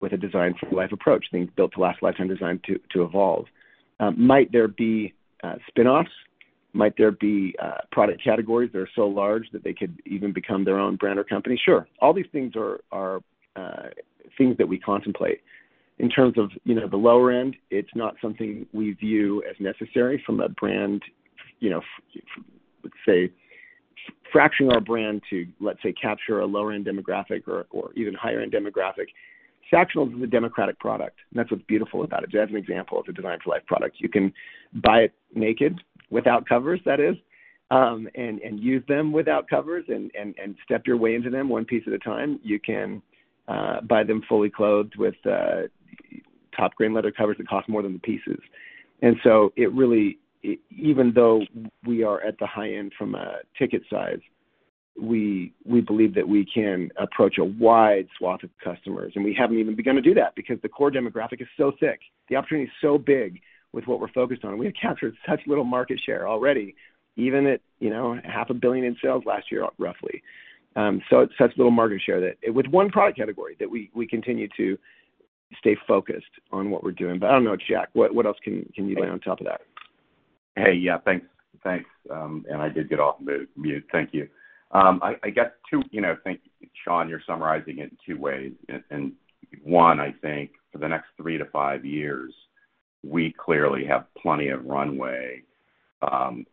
with a Designed For Life approach, things built to last, lifetime designed to evolve. Might there be spinoffs? Might there be product categories that are so large that they could even become their own brand or company? Sure. All these things are things that we contemplate. In terms of, you know, the lower end, it's not something we view as necessary from a brand, you know, let's say fractioning our brand to, let's say, capture a lower-end demographic or even higher-end demographic. Sactionals is a democratic product. That's what's beautiful about it. As an example of the Designed for Life product, you can buy it naked without covers, that is, and use them without covers and step your way into them one piece at a time. You can buy them fully clothed with top-grain leather covers that cost more than the pieces. Even though we are at the high end from a ticket size, we believe that we can approach a wide swath of customers, and we haven't even begun to do that because the core demographic is so thick. The opportunity is so big with what we're focused on. We have captured such little market share already, even at half a billion dollars in sales last year, roughly. Such little market share that with one product category that we continue to stay focused on what we're doing. I don't know, Jack, what else can you lay on top of that?
Thanks. I did get off mute. Thank you. I guess, too. You know, think, Shawn, you're summarizing it in two ways. One, I think for the next three to five years, we clearly have plenty of runway,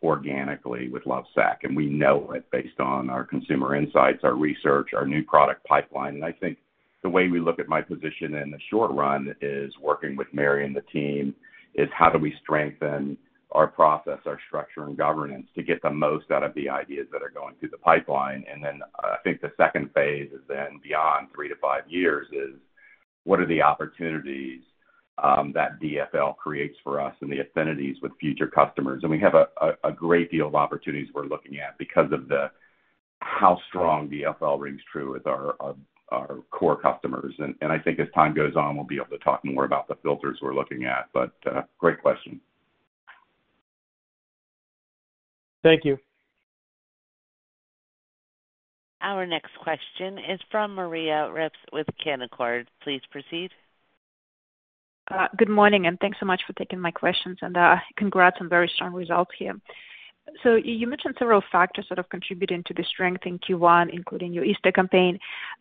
organically with Lovesac, and we know it based on our consumer insights, our research, our new product pipeline. I think the way we look at my position in the short run is working with Mary and the team, is how do we strengthen our process, our structure, and governance to get the most out of the ideas that are going through the pipeline. I think the second phase is beyond 3-5 years is what are the opportunities, that DFL creates for us and the affinities with future customers. We have a great deal of opportunities we're looking at because of how strong DFL rings true with our core customers. I think as time goes on, we'll be able to talk more about the filters we're looking at. Great question.
Thank you.
Our next question is from Maria Ripps with Canaccord. Please proceed.
Good morning, and thanks so much for taking my questions. Congrats on very strong results here. You mentioned several factors sort of contributing to the strength in Q1, including your Easter campaign.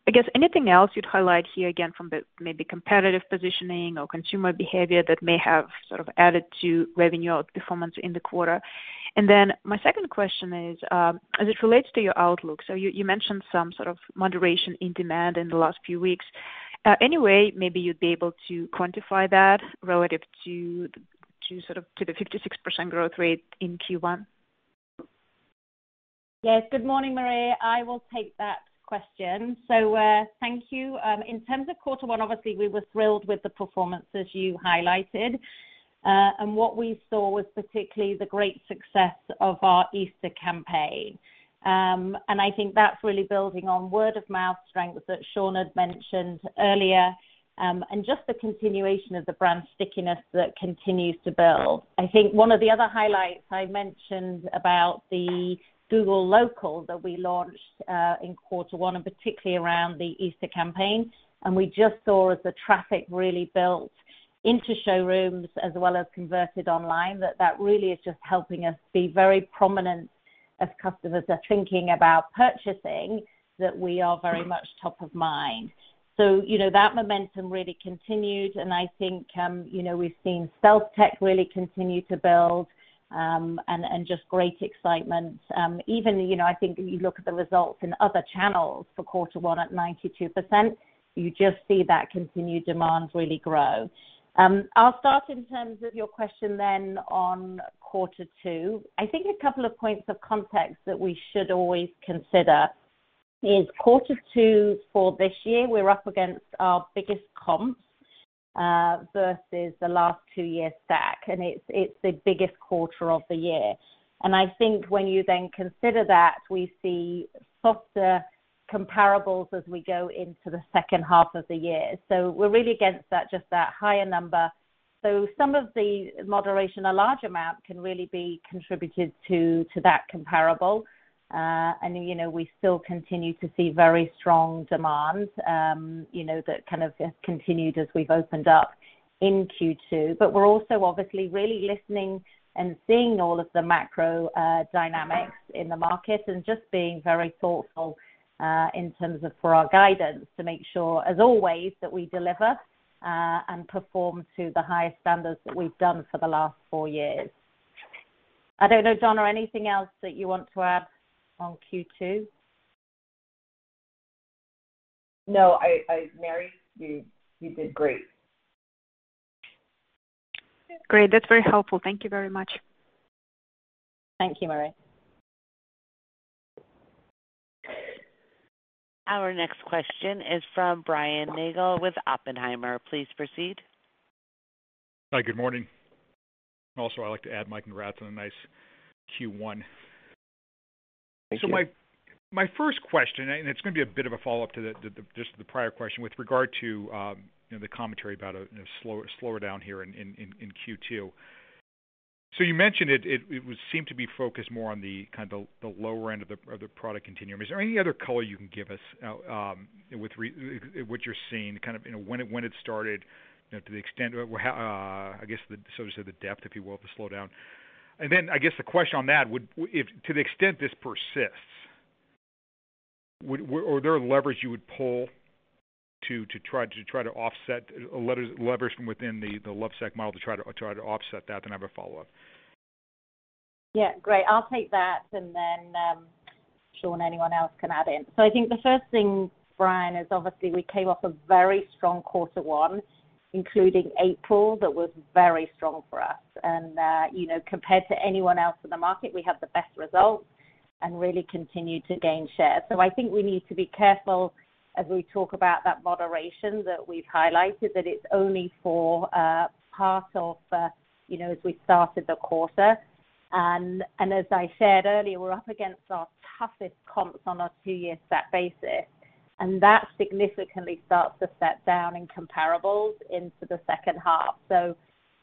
I guess anything else you'd highlight here, again, from the maybe competitive positioning or consumer behavior that may have sort of added to revenue performance in the quarter? My second question is, as it relates to your outlook, you mentioned some sort of moderation in demand in the last few weeks. Any way maybe you'd be able to quantify that relative to the 56% growth rate in Q1?
Yes. Good morning, Maria. I will take that question. Thank you. In terms of quarter one, obviously we were thrilled with the performance as you highlighted. What we saw was particularly the great success of our Easter campaign. I think that's really building on word of mouth strength that Shawn had mentioned earlier, just the continuation of the brand stickiness that continues to build. I think one of the other highlights I mentioned about the Google Local that we launched in quarter one, particularly around the Easter campaign, we just saw as the traffic really built into showrooms as well as converted online, that really is just helping us be very prominent. As customers are thinking about purchasing, we are very much top of mind. That momentum really continued, and we've seen StealthTech really continue to build, and just great excitement. Even I think you look at the results in other channels for quarter one at 92%, you just see that continued demand really grow. I'll start in terms of your question then on quarter two. I think a couple of points of context that we should always consider is quarter two for this year, we're up against our biggest comps versus the last two years back, and it's the biggest quarter of the year. I think when you then consider that, we see softer comparables as we go into the second half of the year. We're really against that, just that higher number. Some of the moderation, a large amount can really be contributed to that comparable. We still continue to see very strong demand that continued as we've opened up in Q2. We're also obviously really listening and seeing all of the macro dynamics in the market and just being very thoughtful in terms of for our guidance to make sure, as always, that we deliver and perform to the highest standards that we've done for the last four years. I don't know, John, or anything else that you want to add on Q2?
No, I, Mary, you did great.
Great. That's very helpful. Thank you very much.
Thank you, Maria Ripps.
Our next question is from Brian Nagel with Oppenheimer. Please proceed.
Hi. Good morning. Also, I'd like to add my congrats on a nice Q1.
Thank you.
My first question, and it's gonna be a bit of a follow-up to just the prior question with regard to the commentary about a slowdown here in Q2. You mentioned it would seem to be focused more on the lower end of the product continuum. Is there any other color you can give us with what you're seeing, kind of when it started to the extent so to say, the depth, if you will, of the slowdown. I guess the question on that if to the extent this persists, are there levers you would pull to try to offset levers from within the Lovesac model to try to offset that? I have a follow-up.
Great. I'll take that, and then, Shawn, anyone else can add in. I think the first thing, Brian, is obviously we came off a very strong quarter one, including April, that was very strong for us. Compared to anyone else in the market, we have the best results and really continue to gain share. I think we need to be careful as we talk about that moderation that we've highlighted, that it's only for part of you know, as we started the quarter. As I said earlier, we're up against our toughest comps on our two-year stack basis, and that significantly starts to step down in comparables into the second half.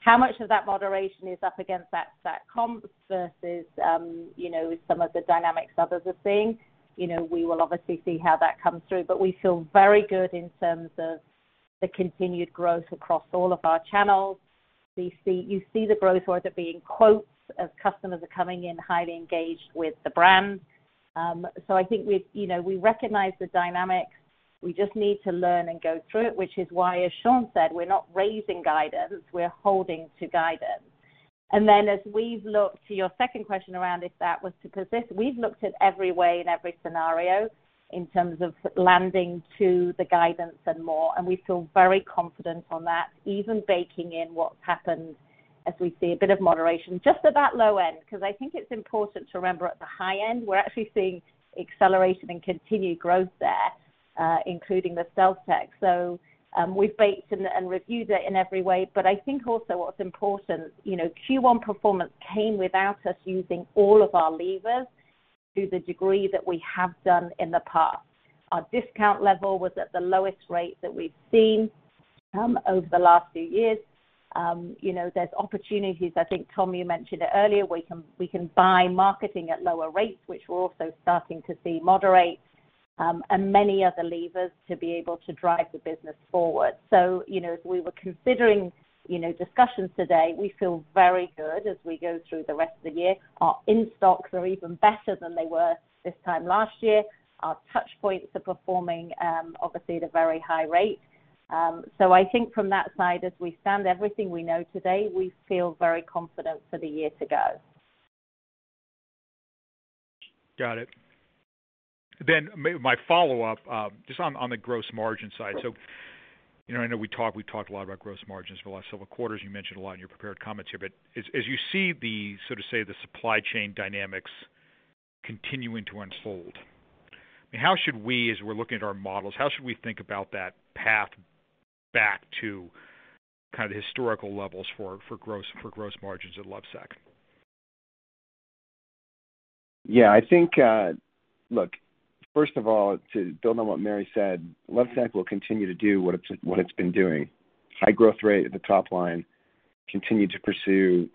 How much of that moderation is up against that comp versus you know, some of the dynamics others are seeing. You know, we will obviously see how that comes through, but we feel very good in terms of the continued growth across all of our channels. We see, you see the growth, whether it be in stores as customers are coming in, highly engaged with the brand. I think we, you know, we recognize the dynamics. We just need to learn and go through it, which is why, as Shawn said, we're not raising guidance, we're holding to guidance. As we've looked to your second question around, if that was to persist, we've looked at every way and every scenario in terms of landing to the guidance and more, and we feel very confident on that, even baking in what's happened as we see a bit of moderation just at that low end. Because I think it's important to remember at the high end, we're actually seeing acceleration and continued growth there, including the StealthTech. We've baked and reviewed it in every way. I think also what's important Q1 performance came without us using all of our levers to the degree that we have done in the past. Our discount level was at the lowest rate that we've seen over the last few years. You know, there's opportunities. I think, Tom, you mentioned it earlier. We can buy marketing at lower rates, which we're also starting to see moderation, and many other levers to be able to drive the business forward. You know, as we were considering, you know, discussions today, we feel very good as we go through the rest of the year. Our in-stocks are even better than they were this time last year. Our touch points are performing, obviously at a very high rate. I think from that side, as we stand, everything we know today, we feel very confident for the year to go.
Got it. My follow-up, just on the gross margin side. I know we've talked a lot about gross margins for the last several quarters. You mentioned a lot in your prepared comments here. As you see, so to say, the supply chain dynamics continuing to unfold, how should we, as we're looking at our models, how should we think about that path back to kind of historical levels for gross margins at Lovesac?
Look, first of all, to build on what Mary said, Lovesac will continue to do what it's been doing. High growth rate at the top line, continue to pursue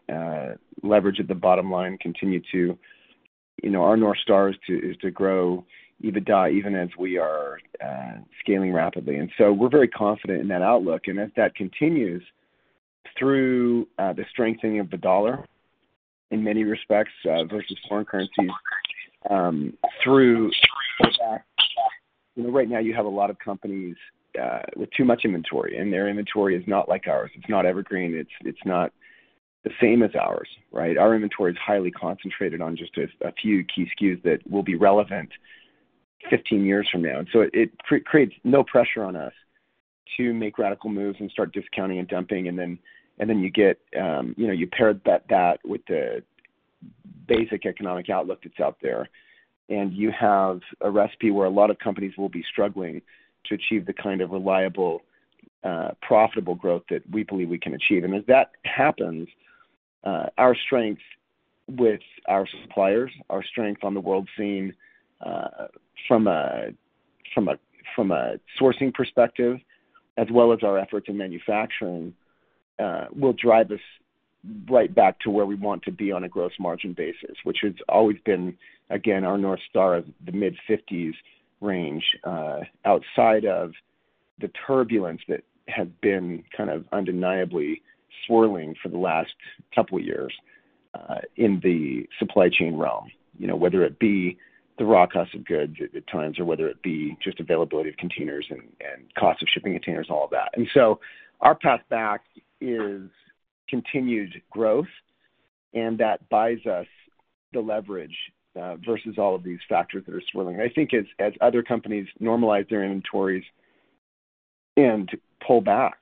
leverage at the bottom line continue to. Our North Star is to grow EBITDA even as we are scaling rapidly. We're very confident in that outlook. As that continues through the strengthening of the U.S. dollar in many respects versus foreign currencies, through the fact that right now you have a lot of companies with too much inventory, and their inventory is not like ours. It's not evergreen, it's not the same as ours, right? Our inventory is highly concentrated on just a few key SKUs that will be relevant 15 years from now. It creates no pressure on us to make radical moves and start discounting and dumping and then you get, you know, you pair that with the basic economic outlook that's out there, and you have a recipe where a lot of companies will be struggling to achieve the kind of reliable profitable growth that we believe we can achieve. As that happens, our strength with our suppliers, our strength on the world scene, from a sourcing perspective, as well as our efforts in manufacturing, will drive us right back to where we want to be on a gross margin basis, which has always been, again, our North Star of the mid-50s range, outside of the turbulence that had been kind of undeniably swirling for the last couple years, in the supply chain realm. You know, whether it be the raw cost of goods at times or whether it be just availability of containers and cost of shipping containers, all of that. Our path back is continued growth, and that buys us the leverage versus all of these factors that are swirling. I think as other companies normalize their inventories and pull back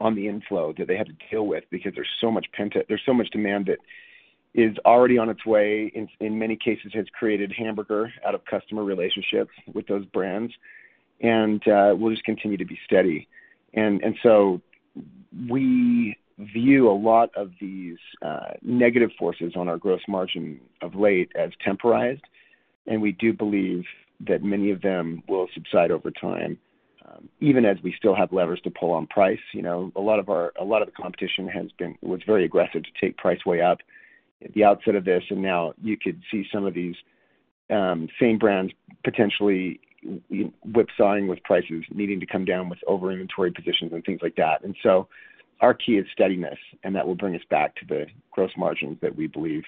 on the inflow that they have to deal with because there's so much pent-up demand that is already on its way, in many cases, has created hamburger out of customer relationships with those brands. We'll just continue to be steady. We view a lot of these negative forces on our gross margin of late as temporary, and we do believe that many of them will subside over time, even as we still have levers to pull on price. You know, a lot of the competition was very aggressive to take price way up at the outset of this, and now you could see some of these same brands potentially whipsawing with prices, needing to come down with over inventory positions and things like that. Our key is steadiness, and that will bring us back to the gross margins that we believe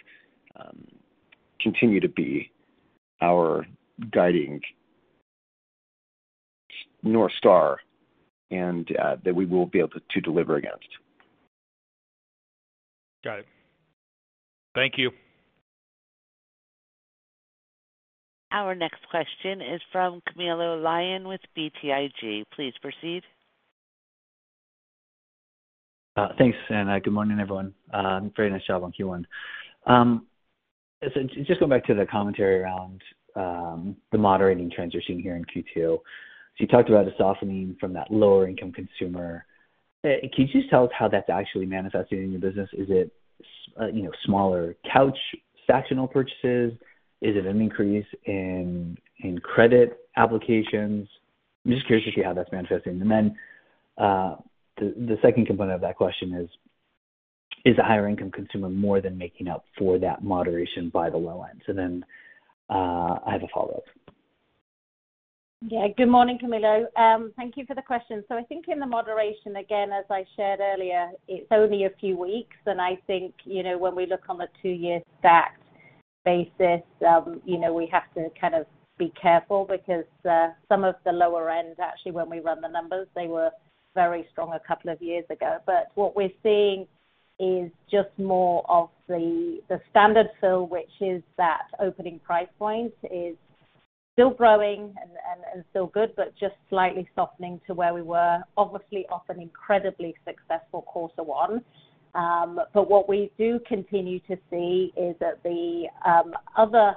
continue to be our guiding North Star and that we will be able to deliver against.
Got it. Thank you.
Our next question is from Camilo Lyon with BTIG. Please proceed.
Thanks, and good morning, everyone. Very nice job on Q1. Just going back to the commentary around the moderating trends you're seeing here in Q2. You talked about a softening from that lower-income consumer. Can you just tell us how that's actually manifesting in your business? Is it smaller couch sectional purchases? Is it an increase in credit applications? I'm just curious to see how that's manifesting. The second component of that question is the higher income consumer more than making up for that moderation by the low end? I have a follow-up.
Good morning, Camilo. Thank you for the question. I think in the moderation, again, as I shared earlier, it's only a few weeks, and when we look on a two-year stacked basis we have to kind of be careful because some of the lower end, actually, when we run the numbers, they were very strong a couple of years ago. What we're seeing is just more of the standard fill, which is that opening price point, is still growing and still good, but just slightly softening to where we were, obviously off an incredibly successful quarter one. What we do continue to see is that the other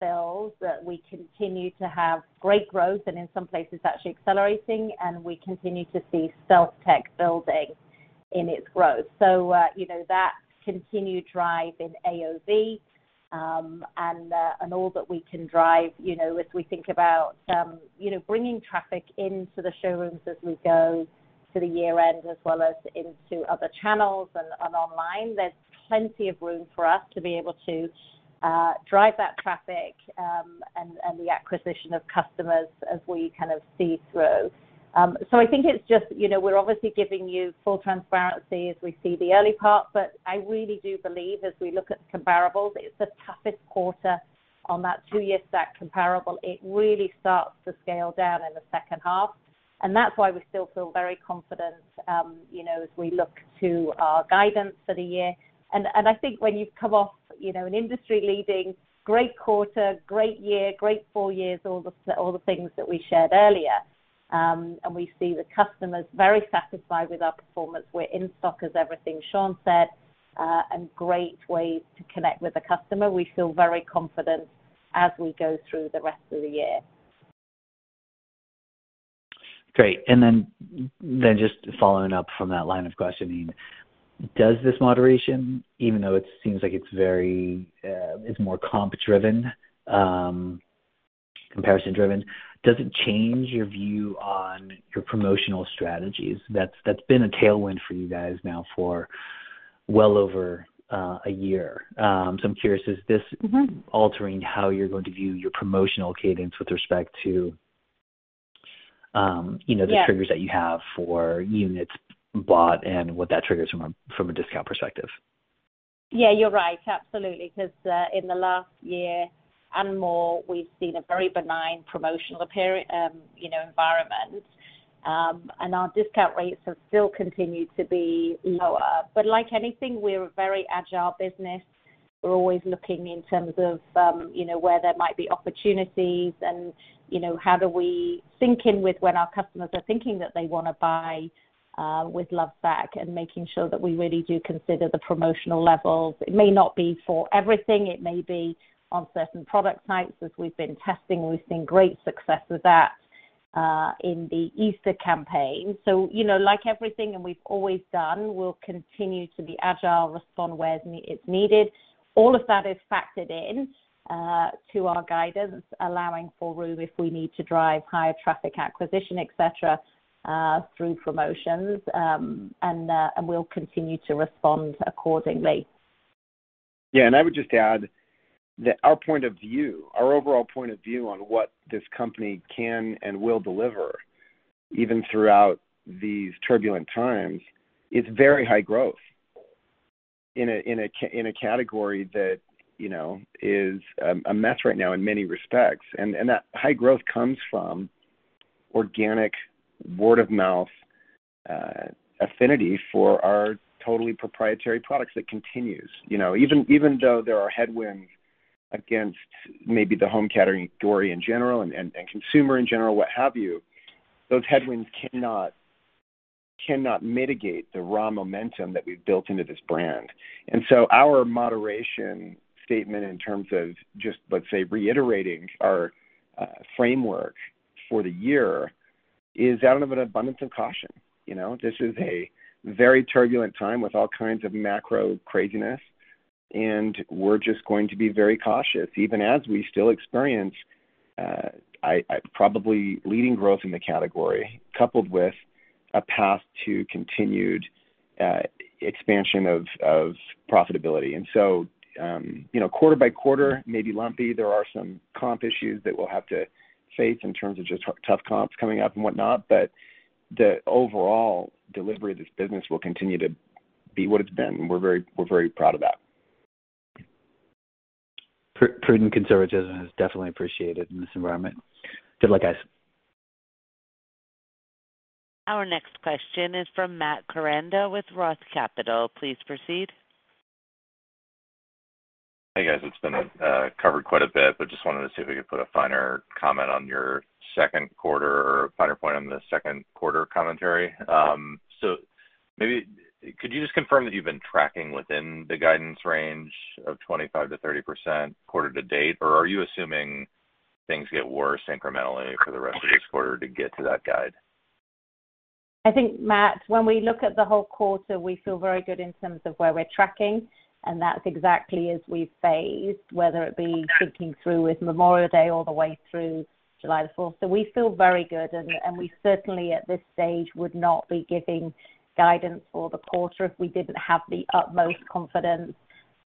fills that we continue to have great growth and in some places actually accelerating, and we continue to see StealthTech building in its growth. That continued drive in AOV, and all that we can drive, you know, as we think about, you know, bringing traffic into the showrooms as we go to the year end, as well as into other channels and online. There's plenty of room for us to be able to drive that traffic, and the acquisition of customers as we kind of see through. I think it's just, we're obviously giving you full transparency as we see the early part, but I really do believe as we look at the comparables, it's the toughest quarter on that two-year stack comparable. It really starts to scale down in the second half. That's why we still feel very confident, you know, as we look to our guidance for the year. I think when you come off an industry-leading great quarter, great year, great four years, all the things that we shared earlier, and we see the customers very satisfied with our performance. We're in stock as everything Shawn said, and great ways to connect with the customer. We feel very confident as we go through the rest of the year.
Great. Just following up from that line of questioning, does this moderation, even though it seems like it's very, it's more comp-driven, comparison-driven, does it change your view on your promotional strategies? That's been a tailwind for you guys now for well over a year. I'm curious, is this altering how you're going to view your promotional cadence with respect to the triggers that you have for units bought and what that triggers from a discount perspective.
You're right. Absolutely. Because in the last year and more, we've seen a very benign promotional period environment. Our discount rates have still continued to be lower. Like anything, we're a very agile business. We're always looking in terms of where there might be opportunities and how do we think in with when our customers are thinking that they wanna buy, with Lovesac and making sure that we really do consider the promotional levels. It may not be for everything. It may be on certain product types. As we've been testing, we've seen great success with that, in the Easter campaign. Everything we've always done, we'll continue to be agile, respond where it's needed. All of that is factored in to our guidance, allowing for room if we need to drive higher traffic acquisition, et cetera, through promotions. We'll continue to respond accordingly.
I would just add that our point of view, our overall point of view on what this company can and will deliver even throughout these turbulent times, is very high growth in a category that is a mess right now in many respects. That high growth comes from organic word-of-mouth affinity for our totally proprietary products that continues. You know, even though there are headwinds against maybe the home category in general and consumer in general, what have you, those headwinds cannot mitigate the raw momentum that we've built into this brand. Our moderation statement in terms of just, let's say, reiterating our framework for the year is out of an abundance of caution. This is a very turbulent time with all kinds of macro craziness, and we're just going to be very cautious even as we still experience probably leading growth in the category coupled with a path to continued expansion of profitability. Quarter by quarter, maybe lumpy, there are some comp issues that we'll have to face in terms of just tough comps coming up and whatnot, but the overall delivery of this business will continue to be what it's been. We're very proud of that prudent conservatism is definitely appreciated in this environment.
Good luck, guys.
Our next question is from Matt Koranda with Roth Capital. Please proceed.
Hey, guys. It's been covered quite a bit, but just wanted to see if we could put a finer comment on your second quarter or finer point on the second quarter commentary. So maybe could you just confirm that you've been tracking within the guidance range of 25%-30% quarter to date? Or are you assuming things get worse incrementally for the rest of this quarter to get to that guide?
Matt, when we look at the whole quarter, we feel very good in terms of where we're tracking, and that's exactly as we've phased, whether it be thinking through with Memorial Day all the way through July the 4th. We feel very good. We certainly at this stage would not be giving guidance for the quarter if we didn't have the utmost confidence.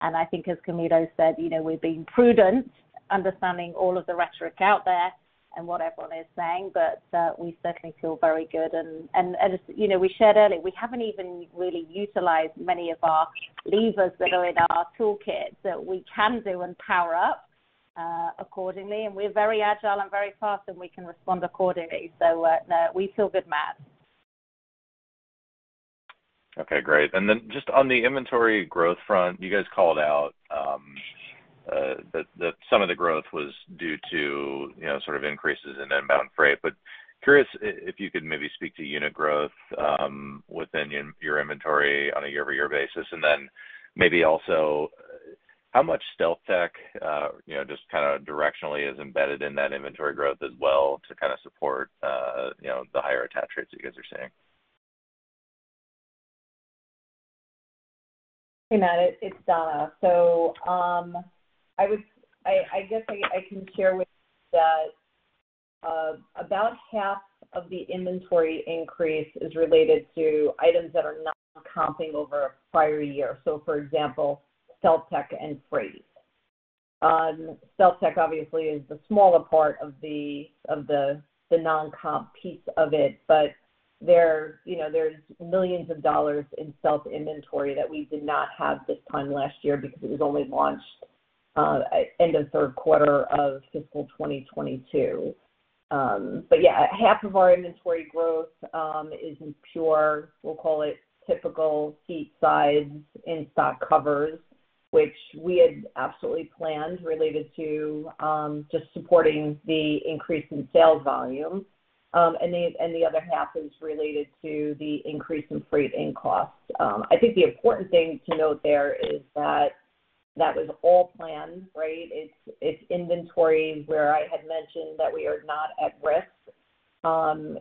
I think as Camilo said, you know, we're being prudent, understanding all of the rhetoric out there and what everyone is saying, but we certainly feel very good. As you know, we shared earlier, we haven't even really utilized many of our levers that are in our toolkit that we can do and power up accordingly. We're very agile and very fast, and we can respond accordingly. No, we feel good, Matt.
Okay, great. Then just on the inventory growth front, you guys called out that some of the growth was due to increases in inbound freight. Curious if you could maybe speak to unit growth within your inventory on a year-over-year basis. Then maybe also how much StealthTech, just directionally is embedded in that inventory growth as well to support the higher attach rates that you guys are seeing.
Hey, Matt. It's Donna. I guess I can share with that, about half of the inventory increase is related to items that are not comping over prior year. For example, StealthTech and freight. StealthTech obviously is the smaller part of the non-comp piece of it. But there's millions of dollars in StealthTech inventory that we did not have this time last year because it was only launched, end of third quarter of fiscal 2022. Half of our inventory growth is in pure, we'll call it typical seat size in-stock covers, which we had absolutely planned related to, just supporting the increase in sales volume. And the other half is related to the increase in freight in costs. I think the important thing to note there is that that was all planned, right? It's inventory where I had mentioned that we are not at risk.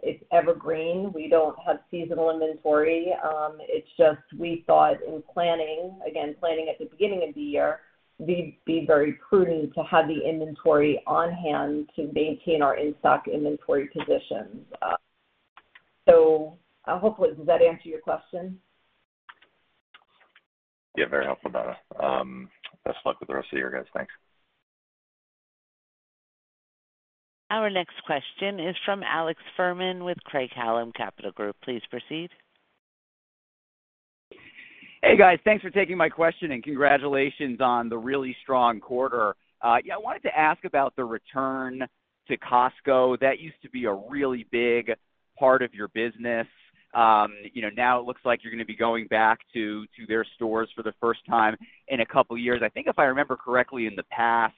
It's evergreen. We don't have seasonal inventory. It's just we thought in planning, again, planning at the beginning of the year, we'd be very prudent to have the inventory on hand to maintain our in-stock inventory positions. So, hopefully, does that answer your question?
Very helpful, Donna. Best of luck with the rest of your guys. Thanks.
Our next question is from Alex Fuhrman with Craig-Hallum Capital Group. Please proceed.
Hey, guys. Thanks for taking my question, and congratulations on the really strong quarter. I wanted to ask about the return to Costco. That used to be a really big part of your business. Now it looks like you're gonna be going back to their stores for the first time in a couple years. I think if I remember correctly in the past,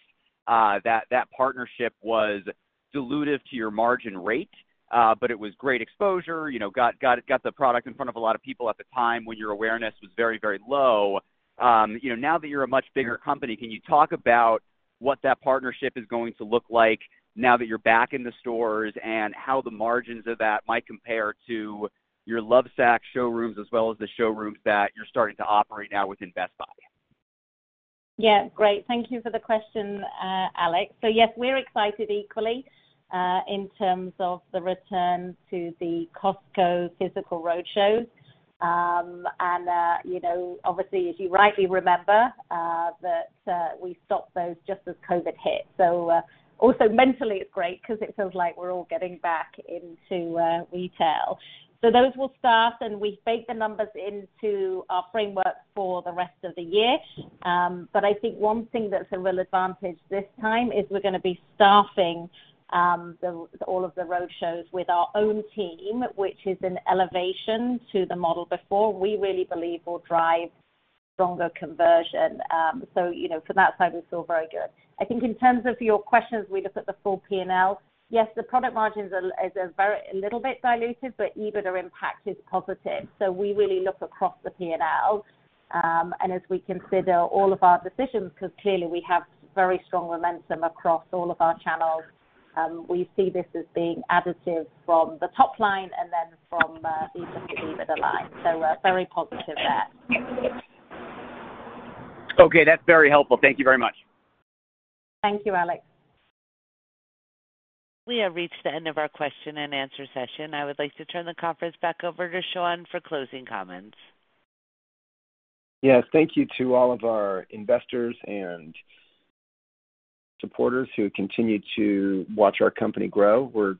that partnership was dilutive to your margin rate, but it was great exposure got the product in front of a lot of people at the time when your awareness was very, very low. You knowNow that you're a much bigger company, can you talk about what that partnership is going to look like now that you're back in the stores and how the margins of that might compare to your Lovesac showrooms as well as the showrooms that you're starting to operate now within Best Buy?
Great. Thank you for the question, Alex. Yes, we're excited equally in terms of the return to the Costco physical roadshow. Obviously, as you rightly remember, that we stopped those just as COVID hit. Also mentally, it's great 'cause it feels like we're all getting back into retail. Those will start, and we feed the numbers into our framework for the rest of the year. I think one thing that's a real advantage this time is we're gonna be staffing the all of the road shows with our own team, which is an elevation to the model before. We really believe will drive stronger conversion. From that side, we feel very good. I think in terms of your questions, we look at the full P&L. Yes, the product margins are a little bit diluted, but EBITDA impact is positive. We really look across the P&L, and as we consider all of our decisions, 'cause clearly, we have very strong momentum across all of our channels, we see this as being additive from the top line and then from EBITDA line. Very positive there.
Okay. That's very helpful. Thank you very much.
Thank you, Alex.
We have reached the end of our question-and-answer session. I would like to turn the conference back over to Shawn for closing comments.
Yes. Thank you to all of our investors and supporters who continue to watch our company grow. We're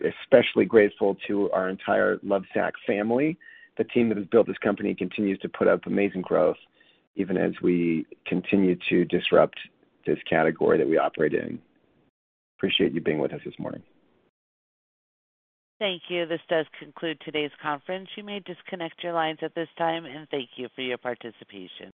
especially grateful to our entire Lovesac family. The team that has built this company continues to put up amazing growth even as we continue to disrupt this category that we operate in. Appreciate you being with us this morning.
Thank you. This does conclude today's conference. You may disconnect your lines at this time, and thank you for your participation.